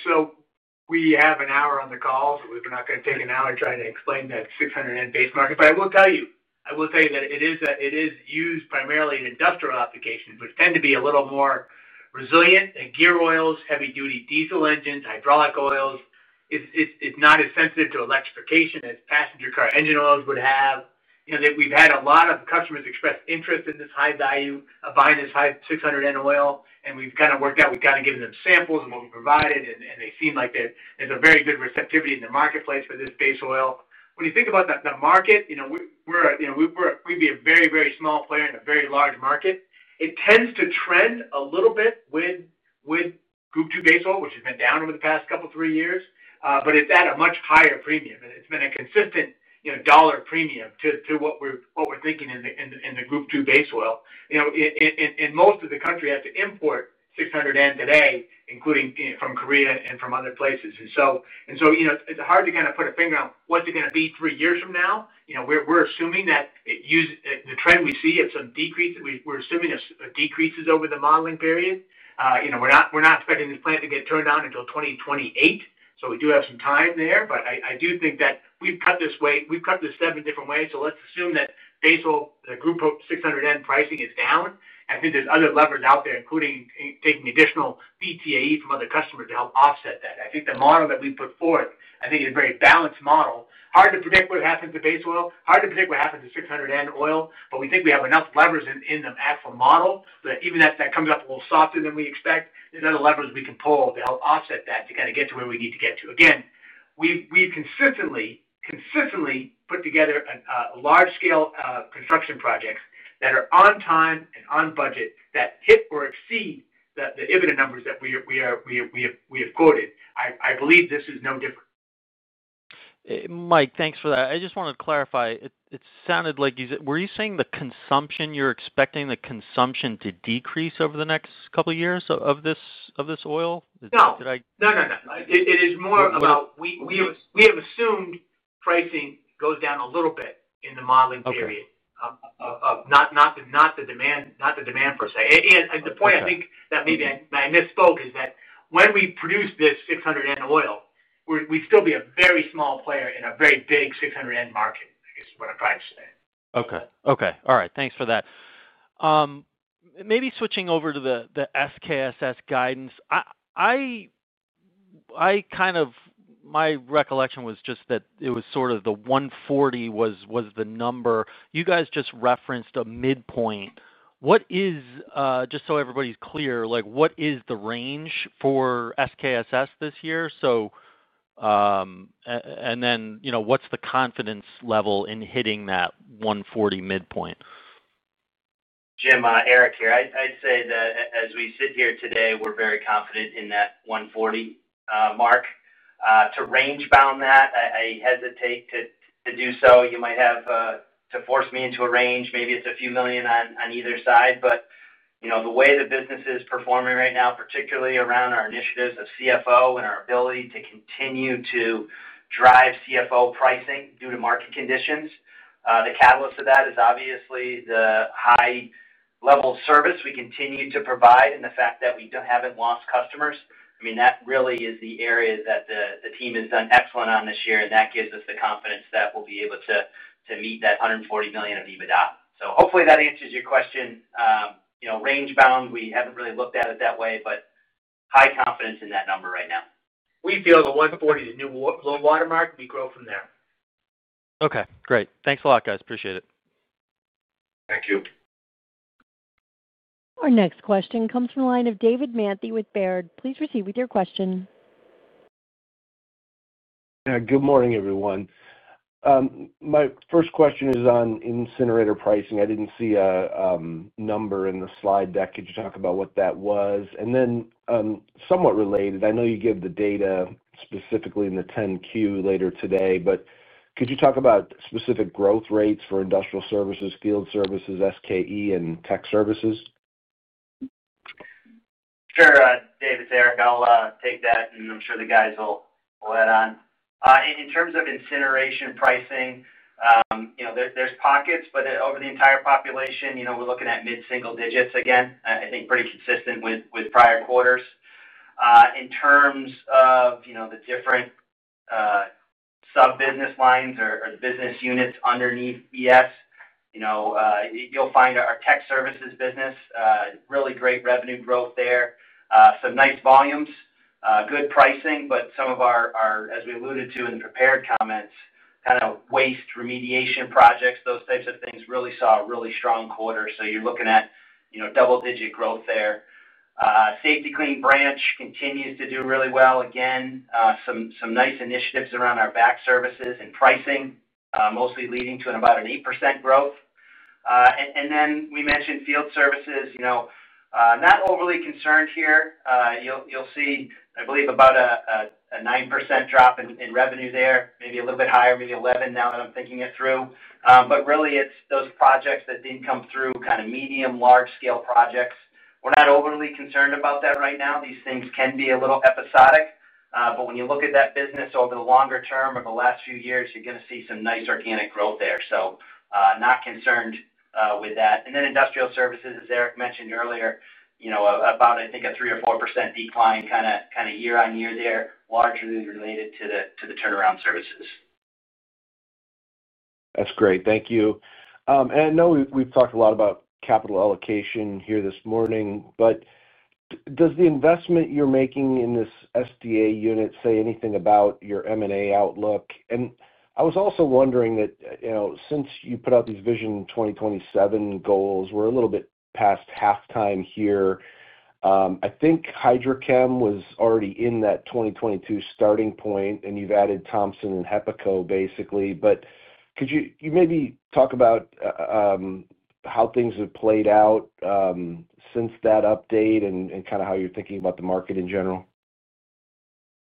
We have an hour on the call, so we're not going to take an hour trying to explain that 600N base oil market. I will tell you that it is used primarily in industrial applications, which tend to be a little more resilient, in gear oils, heavy-duty diesel engines, hydraulic oils. It's not as sensitive to electrification as passenger car engine oils would have. We've had a lot of customers express interest in this high value of buying this high 600N oil, and we've kind of worked out, we've kind of given them samples of what we provided, and they seem like there's a very good receptivity in the marketplace for this base oil. When you think about the market, we'd be a very, very small player in a very large market. It tends to trend a little bit with Group 2 base oil, which has been down over the past couple of three years, but it's at a much higher premium. It's been a consistent dollar premium to what we're thinking in the Group 2 base oil. Most of the country has to import 600N today, including from Korea and from other places. It's hard to kind of put a finger on what's it going to be three years from now. We're assuming that the trend we see of some decreases, we're assuming decreases over the modeling period. We're not expecting this plant to get turned down until 2028, so we do have some time there. I do think that we've cut this way, we've cut this seven different ways, so let's assume that the Group 600N pricing is down. I think there's other levers out there, including taking additional VTAE from other customers to help offset that. I think the model that we put forth is a very balanced model. Hard to predict what happens to base oil, hard to predict what happens to 600N oil, but we think we have enough levers in the actual model that even if that comes up a little softer than we expect, there's other levers we can pull to help offset that to kind of get to where we need to get to. Again, we've consistently put together large-scale construction projects that are on time and on budget that hit or exceed the EBITDA numbers that we have quoted. I believe this is no different. Mike, thanks for that. I just want to clarify. It sounded like you said, were you saying the consumption, you're expecting the consumption to decrease over the next couple of years of this oil? It is more about we have assumed pricing goes down a little bit in the modeling period, not the demand per se. The point I think that maybe I misspoke is that when we produce this 600N base oil, we'd still be a very small player in a very big 600N market, I guess is what I'm trying to say. Okay. All right. Thanks for that. Maybe switching over to the SKSS guidance, my recollection was just that it was sort of the $140 million was the number. You guys just referenced a midpoint. What is, just so everybody's clear, like what is the range for SKSS this year? You know, what's the confidence level in hitting that $140 million midpoint? Jim, Eric here. I'd say that as we sit here today, we're very confident in that $140 million mark. To range-bound that, I hesitate to do so. You might have to force me into a range. Maybe it's a few million on either side. The way the business is performing right now, particularly around our initiatives of CFO and our ability to continue to drive CFO pricing due to market conditions, the catalyst of that is obviously the high-level service we continue to provide and the fact that we haven't lost customers. That really is the area that the team has done excellent on this year, and that gives us the confidence that we'll be able to meet that $140 million of EBITDA. Hopefully, that answers your question. Range-bound, we haven't really looked at it that way, but high confidence in that number right now. We feel the $140 is a new low-water mark. We grow from there. Okay. Great. Thanks a lot, guys. Appreciate it. Our next question comes from the line of David Manthey with Baird. Please proceed with your question. Good morning, everyone. My first question is on incinerator pricing. I didn't see a number in the slide deck. Could you talk about what that was? I know you gave the data specifically in the 10-Q later today, but could you talk about specific growth rates for industrial services, field services, SKE, and tech services? Sure. David, it's Eric. I'll take that, and I'm sure the guys will add on. In terms of incineration pricing, there's pockets, but over the entire population, we're looking at mid-single digits again. I think pretty consistent with prior quarters. In terms of the different sub-business lines or business units underneath ES, you'll find our technical services business, really great revenue growth there, some nice volumes, good pricing, but some of our, as we alluded to in the prepared comments, kind of waste remediation projects, those types of things really saw a really strong quarter. You're looking at double-digit growth there. Safety-Kleen branch continues to do really well. Again, some nice initiatives around our back services and pricing, mostly leading to about an 8% growth. We mentioned field services, not overly concerned here. You'll see, I believe, about a 9% drop in revenue there, maybe a little bit higher, maybe 11% now that I'm thinking it through. Really, it's those projects that didn't come through, kind of medium-large-scale projects. We're not overly concerned about that right now. These things can be a little episodic. When you look at that business over the longer term of the last few years, you're going to see some nice organic growth there. Not concerned with that. Industrial services, as Eric mentioned earlier, about, I think, a 3% or 4% decline kind of year on year there, largely related to the turnaround services. That's great. Thank you. I know we've talked a lot about capital allocation here this morning, but does the investment you're making in this SDA unit say anything about your M&A outlook? I was also wondering that, you know, since you put out these Vision 2027 goals, we're a little bit past halftime here. I think HydroChem was already in that 2022 starting point, and you've added Thompson and HEPACO, basically. Could you maybe talk about how things have played out since that update and kind of how you're thinking about the market in general?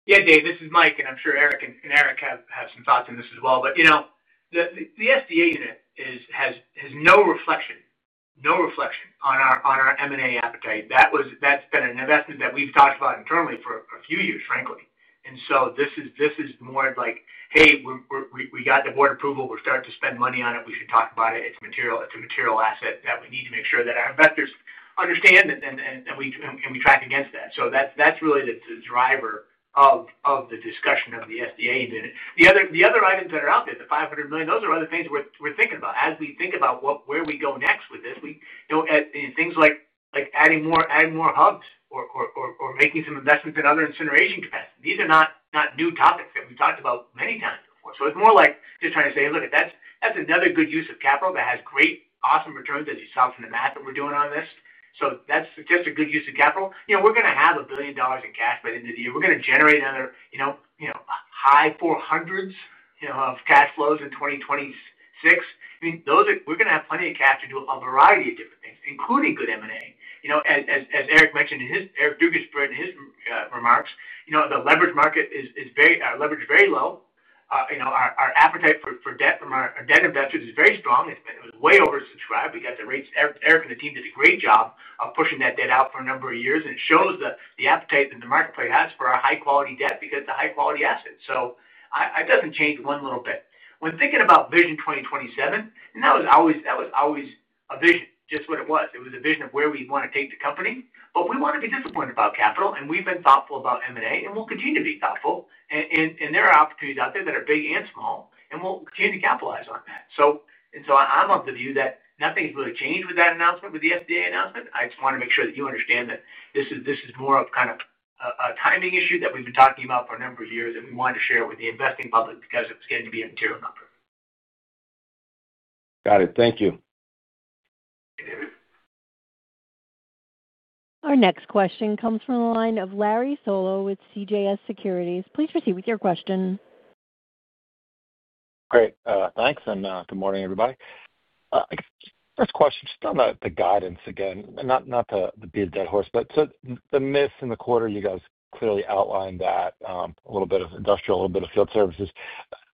Yeah, Dave, this is Mike, and I'm sure Eric and Eric have some thoughts on this as well. The SDA unit has no reflection, no reflection on our M&A appetite. That's been an investment that we've talked about internally for a few years, frankly. This is more like, "Hey, we got the board approval. We're starting to spend money on it. We should talk about it. It's a material asset that we need to make sure that our investors understand and we track against that." That's really the driver of the discussion of the SDA unit. The other items that are out there, the $500 million, those are other things we're thinking about as we think about where we go next with this. Things like adding more hubs or making some investments in other incineration capacity. These are not new topics that we've talked about many times before. It's more like just trying to say, "Hey, look, that's another good use of capital that has great, awesome returns," as you saw from the math that we're doing on this. That's just a good use of capital. We're going to have a billion dollars in cash by the end of the year. We're going to generate another, you know, high $400 million of cash flows in 2026. I mean, we're going to have plenty of cash to do a variety of different things, including good M&A. As Eric mentioned in Eric Dugas' part in his remarks, the leverage market is very low. Our appetite for debt from our debt investors is very strong. It was way oversubscribed. We got the rates. Eric and the team did a great job of pushing that debt out for a number of years, and it shows the appetite that the marketplace has for our high-quality debt because it's a high-quality asset. It doesn't change one little bit. When thinking about Vision 2027, and that was always a vision, just what it was. It was a vision of where we want to take the company. We want to be disciplined about capital, and we've been thoughtful about M&A, and we'll continue to be thoughtful. There are opportunities out there that are big and small, and we'll continue to capitalize on. I'm of the view that nothing's really changed with that announcement, with the SDA announcement. I just want to make sure that you understand that this is more of kind of a timing issue that we've been talking about for a number of years, and we wanted to share it with the investing public because it was getting to be a material number. Got it. Thank you. Our next question comes from the line of Larry Solow with CJS Securities. Please proceed with your question. Great. Thanks. Good morning, everybody. First question, just on the guidance again, not to beat a dead horse, but the miss in the quarter, you guys clearly outlined that a little bit of industrial, a little bit of field services.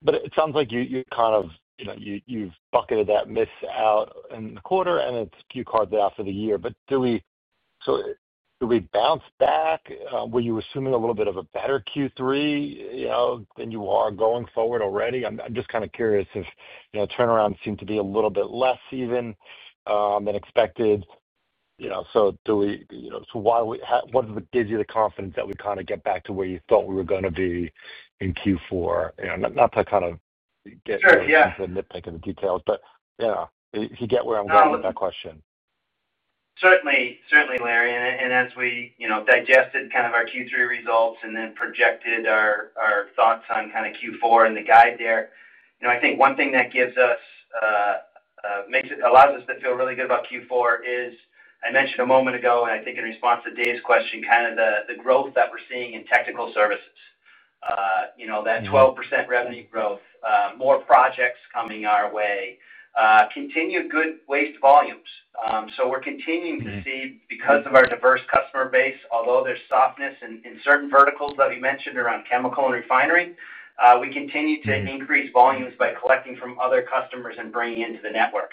It sounds like you've kind of, you know, you've bucketed that miss out in the quarter, and it's Q cards out for the year. Do we bounce back? Were you assuming a little bit of a better Q3 than you are going forward already? I'm just kind of curious if turnarounds seem to be a little bit less even than expected. Do we, you know, what gives you the confidence that we kind of get back to where you thought we were going to be in Q4? Not to get into the nitty-gritty of the details, but if you get where I'm going with that question. Certainly, certainly, Larry. As we digested kind of our Q3 results and then projected our thoughts on Q4 and the guide there, I think one thing that gives us, makes it, allows us to feel really good about Q4 is, I mentioned a moment ago, and I think in response to Dave's question, kind of the growth that we're seeing in technical services. That 12% revenue growth, more projects coming our way, continued good waste volumes. We're continuing to see, because of our diverse customer base, although there's softness in certain verticals that we mentioned around chemical and refinery, we continue to increase volumes by collecting from other customers and bringing into the network.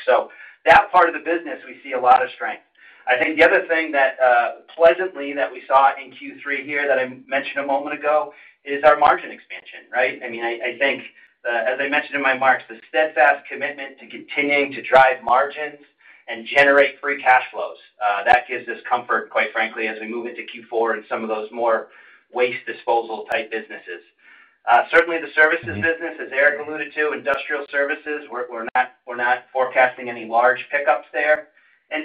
That part of the business, we see a lot of strength. I think the other thing that, pleasantly, we saw in Q3 here that I mentioned a moment ago is our margin expansion, right? I mean, as I mentioned in my marks, the steadfast commitment to continuing to drive margins and generate free cash flows. That gives us comfort, quite frankly, as we move into Q4 and some of those more waste disposal type businesses. Certainly, the services business, as Eric alluded to, industrial services, we're not forecasting any large pickups there.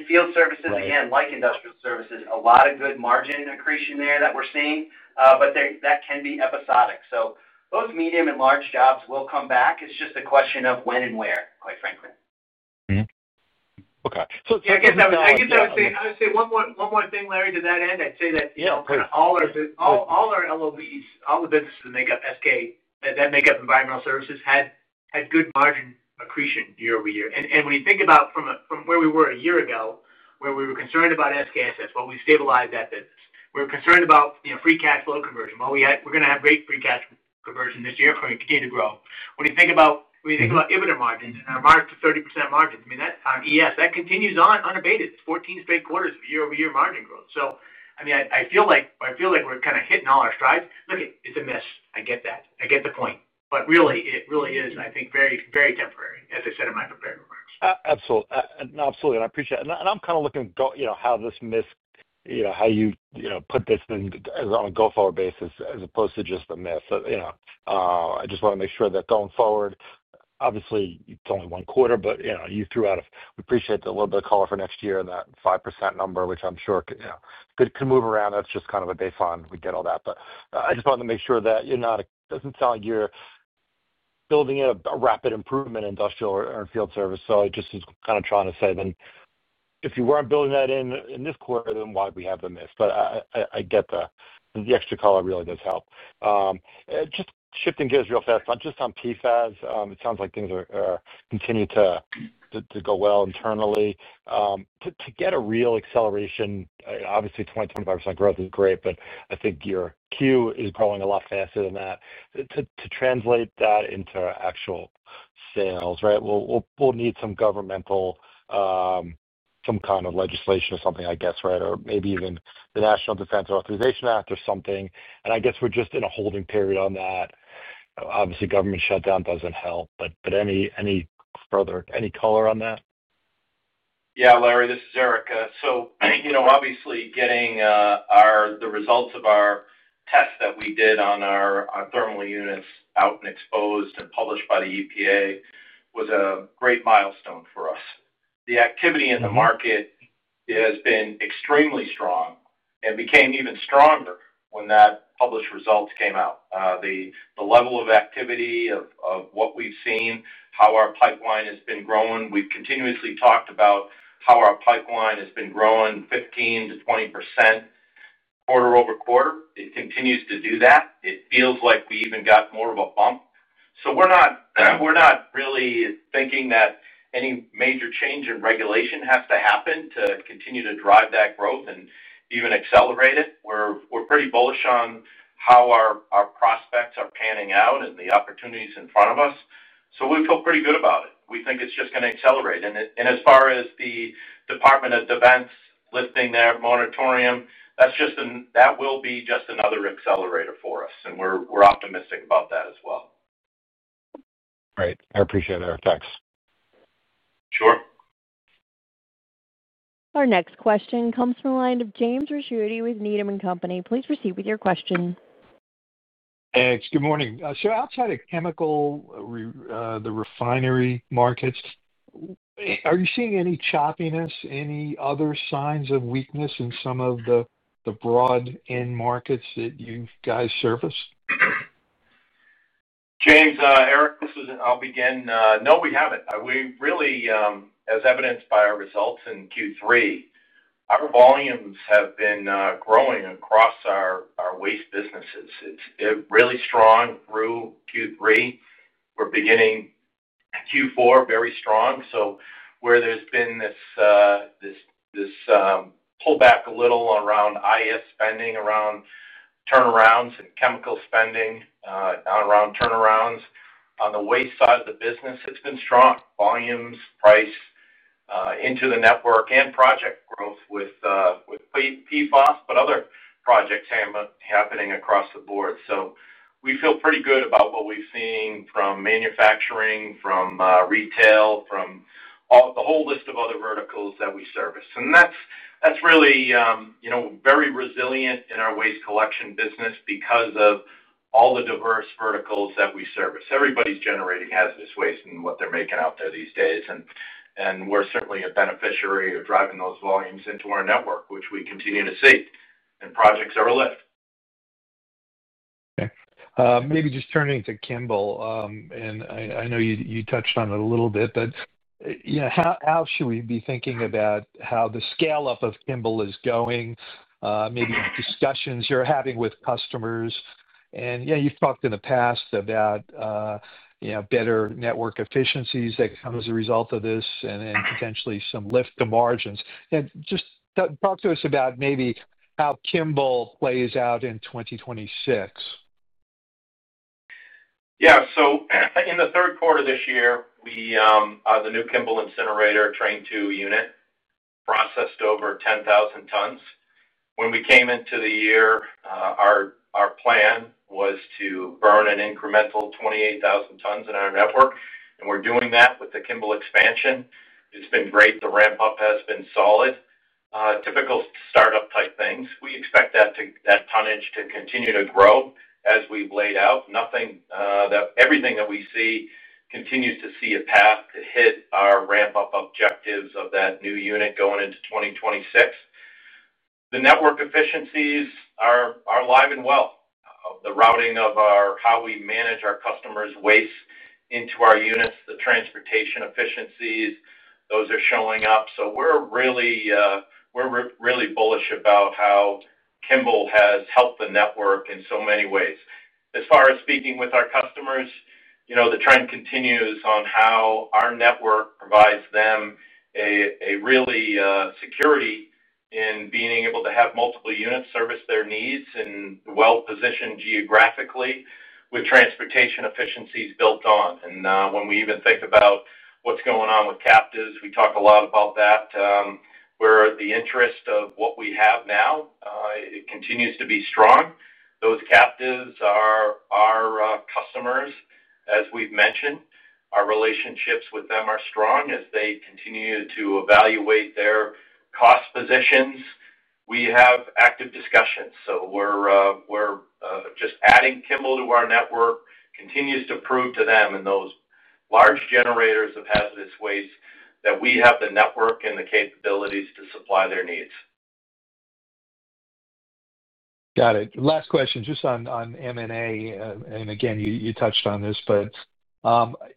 Field services, again, like industrial services, a lot of good margin accretion there that we're seeing, but that can be episodic. Both medium and large jobs will come back. It's just a question of when and where, quite frankly. Okay. I would say one more thing, Larry, to that end. I'd say that all our LOBs, all the businesses that make up SK, that make up environmental services, had good margin accretion year over year. When you think about from where we were a year ago, where we were concerned about SK assets, we stabilized that business. We were concerned about free cash flow conversion. We're going to have great free cash flow conversion this year. We're going to continue to grow. When you think about EBITDA margins and our marked 30% margins, on ES, that continues on unabated. It's 14 straight quarters of year-over-year margin growth. I feel like we're kind of hitting all our strides. Look, it's a myth. I get that. I get the point. It really is, I think, very, very temporary, as I said in my prepared remarks. Absolutely. No, absolutely. I appreciate it. I'm kind of looking at how this myth, you know, how you put this on a go-forward basis as opposed to just the myth. I just want to make sure that going forward, obviously, it's only one quarter, but you know, you threw out, we appreciate a little bit of color for next year in that 5% number, which I'm sure could move around. That's just kind of a baseline. We get all that. I just wanted to make sure that you're not, it doesn't sound like you're building in a rapid improvement in industrial or field services. I just was kind of trying to say, if you weren't building that in in this quarter, then why do we have the myth? I get the extra color really does help. Just shifting gears real fast, just on PFAS, it sounds like things continue to go well internally. To get a real acceleration, obviously, 20, 25% growth is great, but I think your Q is growing a lot faster than that. To translate that into actual sales, right, we'll need some governmental, some kind of legislation or something, I guess, or maybe even the National Defense Authorization Act or something. I guess we're just in a holding period on that. Obviously, government shutdown doesn't help, but any further, any color on that? Yeah, Larry, this is Eric. Obviously, getting the results of our tests that we did on our thermal units out and exposed and published by the EPA was a great milestone for us. The activity in the market has been extremely strong and became even stronger when that published results came out. The level of activity of what we've seen, how our pipeline has been growing, we've continuously talked about how our pipeline has been growing 15% to 20% quarter over quarter. It continues to do that. It feels like we even got more of a bump. We're not really thinking that any major change in regulation has to happen to continue to drive that growth and even accelerate it. We're pretty bullish on how our prospects are panning out and the opportunities in front of us. We feel pretty good about it. We think it's just going to accelerate. As far as the Department of Defense lifting their moratorium, that will be just another accelerator for us. We're optimistic about that as well. Great. I appreciate it, Eric. Thanks. Sure. Our next question comes from the line of James Ricchiuti with Needham & Company. Please proceed with your question. Thanks. Good morning. Outside of chemical, the refinery markets, are you seeing any choppiness, any other signs of weakness in some of the broad end markets that you guys service? James, Eric, this is, I'll begin. No, we haven't. We really, as evidenced by our results in Q3, our volumes have been growing across our waste businesses. It really strong through Q3. We're beginning Q4 very strong. Where there's been this pullback a little around IS spending, around turnarounds and chemical spending, around turnarounds on the waste side of the business, it's been strong. Volumes, price, into the network and project growth with PFAS, but other projects happening across the board. We feel pretty good about what we've seen from manufacturing, from retail, from all the whole list of other verticals that we service. That's really, you know, very resilient in our waste collection business because of all the diverse verticals that we service. Everybody's generating hazardous waste and what they're making out there these days. We're certainly a beneficiary of driving those volumes into our network, which we continue to see, and projects are a lift. Okay. Maybe just turning to Kimble, and I know you touched on it a little bit, but you know, how should we be thinking about how the scale-up of Kimble is going, maybe discussions you're having with customers? You've talked in the past about better network efficiencies that come as a result of this and potentially some lift to margins. Just talk to us about maybe how Kimble plays out in 2026. Yeah. In the third quarter of this year, the new Kimble incinerator, train two unit, processed over 10,000 tons. When we came into the year, our plan was to burn an incremental 28,000 tons in our network. We're doing that with the Kimble expansion. It's been great. The ramp-up has been solid. Typical startup type things. We expect that tonnage to continue to grow as we've laid out. Everything that we see continues to see a path to hit our ramp-up objectives of that new unit going into 2026. The network efficiencies are alive and well. The routing of how we manage our customers' waste into our units, the transportation efficiencies, those are showing up. We're really bullish about how Kimble has helped the network in so many ways. As far as speaking with our customers, the trend continues on how our network provides them a real security in being able to have multiple units service their needs and well-positioned geographically with transportation efficiencies built on. When we even think about what's going on with captives, we talk a lot about that, where the interest of what we have now continues to be strong. Those captives are our customers. As we've mentioned, our relationships with them are strong as they continue to evaluate their cost positions. We have active discussions. Adding Kimble to our network continues to prove to them and those large generators of hazardous waste that we have the network and the capabilities to supply their needs. Got it. Last question, just on M&A, and again, you touched on this, but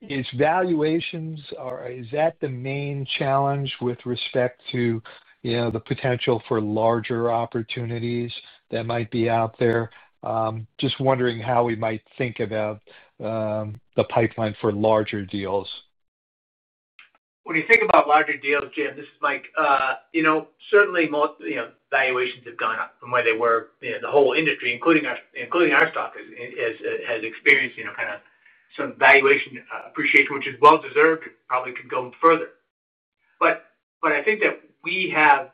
is valuations, or is that the main challenge with respect to the potential for larger opportunities that might be out there? Just wondering how we might think about the pipeline for larger deals. When you think about larger deals, Jim, this is Mike. Certainly, valuations have gone up from where they were. The whole industry, including our stock, has experienced some valuation appreciation, which is well deserved. It probably could go further. I think that we have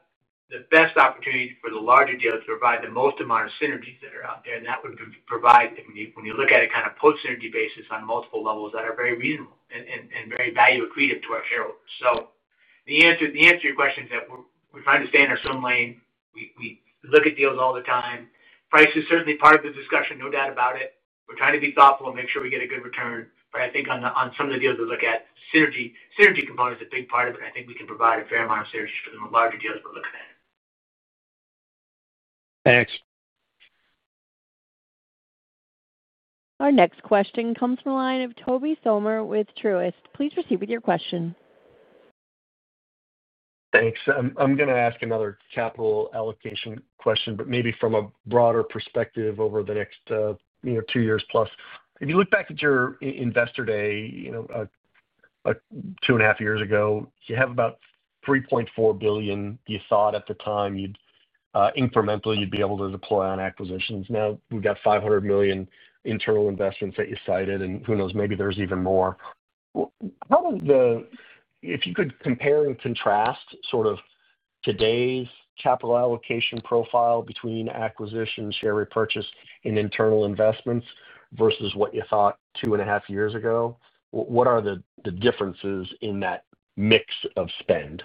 the best opportunity for the larger deal to provide the most amount of synergies that are out there, and that would provide, when you look at it, a post-synergy basis on multiple levels that are very reasonable and very value accretive to our shareholders. The answer to your question is that we're trying to stay in our swim lane. We look at deals all the time. Price is certainly part of the discussion, no doubt about it. We're trying to be thoughtful and make sure we get a good return. I think on some of the deals we look at, synergy components are a big part of it, and I think we can provide a fair amount of synergy for the larger deals we're looking at. Thanks. Our next question comes from the line of Tobey Sommer with Truist. Please proceed with your question. Thanks. I'm going to ask another capital allocation question, but maybe from a broader perspective over the next, you know, two years plus. If you look back at your investor day, you know, two and a half years ago, you have about $3.4 billion you thought at the time you'd incrementally be able to deploy on acquisitions. Now we've got $500 million internal investments that you cited, and who knows, maybe there's even more. How does the, if you could compare and contrast sort of today's capital allocation profile between acquisitions, share repurchase, and internal investments versus what you thought two and a half years ago, what are the differences in that mix of spend?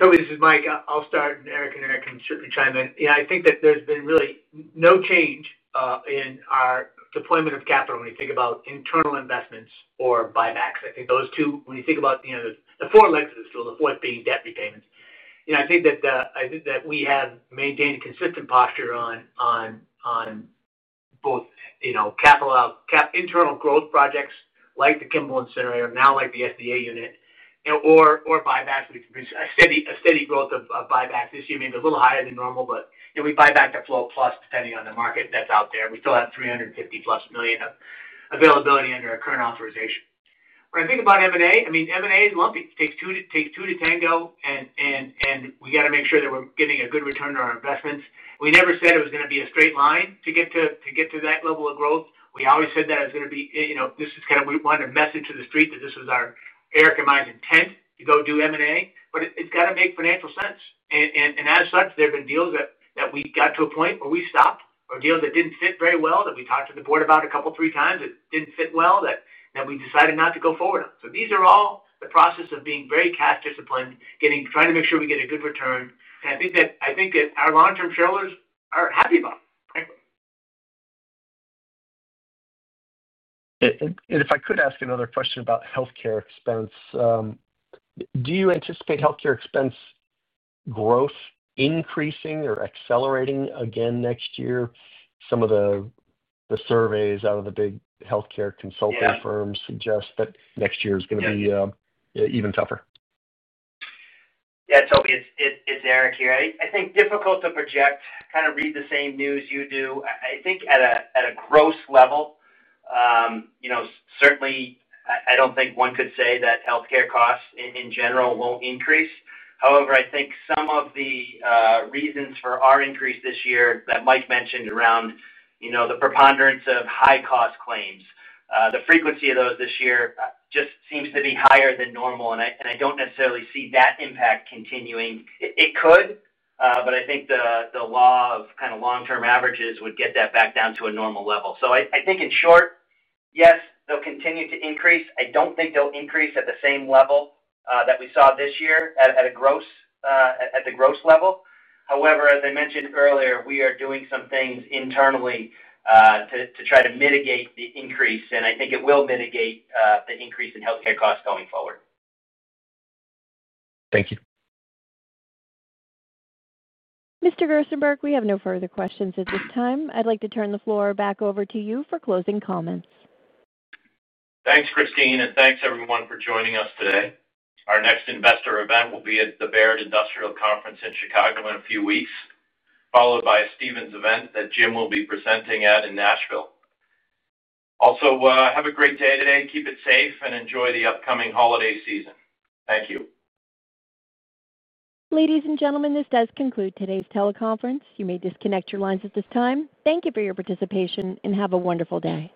Tobey, this is Mike. I'll start, and Eric and Eric can certainly chime in. I think that there's been really no change in our deployment of capital when you think about internal investments or buybacks. I think those two, when you think about the four legs of the stool, the fourth being debt repayments, I think that we have maintained a consistent posture on both capital out, internal growth projects like the Kimble incinerator, now like the SDA unit, or buybacks. We've produced a steady growth of buybacks this year, maybe a little higher than normal, but we buy back the flow plus depending on the market that's out there. We still have $350 plus million of availability under our current authorization. When I think about M&A, M&A is lumpy. It takes two to tango, and we got to make sure that we're getting a good return to our investments. We never said it was going to be a straight line to get to that level of growth. We always said that it was going to be, this is kind of we wanted to message into the street that this was our, Eric and my intent to go do M&A, but it's got to make financial sense. As such, there have been deals that we got to a point where we stopped or deals that didn't fit very well that we talked to the board about a couple, three times that didn't fit well that we decided not to go forward on. These are all the process of being very cash disciplined, trying to make sure we get a good return. I think that our long-term shareholders are happy about it. If I could ask another question about healthcare expense, do you anticipate healthcare expense growth increasing or accelerating again next year? Some of the surveys out of the big healthcare consulting firms suggest that next year is going to be even tougher. Yeah, Tobey, it's Eric here. I think difficult to project, kind of read the same news you do. I think at a gross level, you know, certainly, I don't think one could say that healthcare costs in general won't increase. However, I think some of the reasons for our increase this year that Mike mentioned around, you know, the preponderance of high-cost claims, the frequency of those this year just seems to be higher than normal. I don't necessarily see that impact continuing. It could, but I think the law of kind of long-term averages would get that back down to a normal level. In short, yes, they'll continue to increase. I don't think they'll increase at the same level that we saw this year at the gross level. However, as I mentioned earlier, we are doing some things internally to try to mitigate the increase, and I think it will mitigate the increase in healthcare costs going forward. Thank you. Mr. Gerstenberg, we have no further questions at this time. I'd like to turn the floor back over to you for closing comments. Thanks, Christine, and thanks everyone for joining us today. Our next investor event will be at the Baird Industrial Conference in Chicago in a few weeks, followed by a Stevens event that Jim will be presenting at in Nashville. Also, have a great day today. Keep it safe and enjoy the upcoming holiday season. Thank you. Ladies and gentlemen, this does conclude today's teleconference. You may disconnect your lines at this time. Thank you for your participation, andhave a wonderfulday.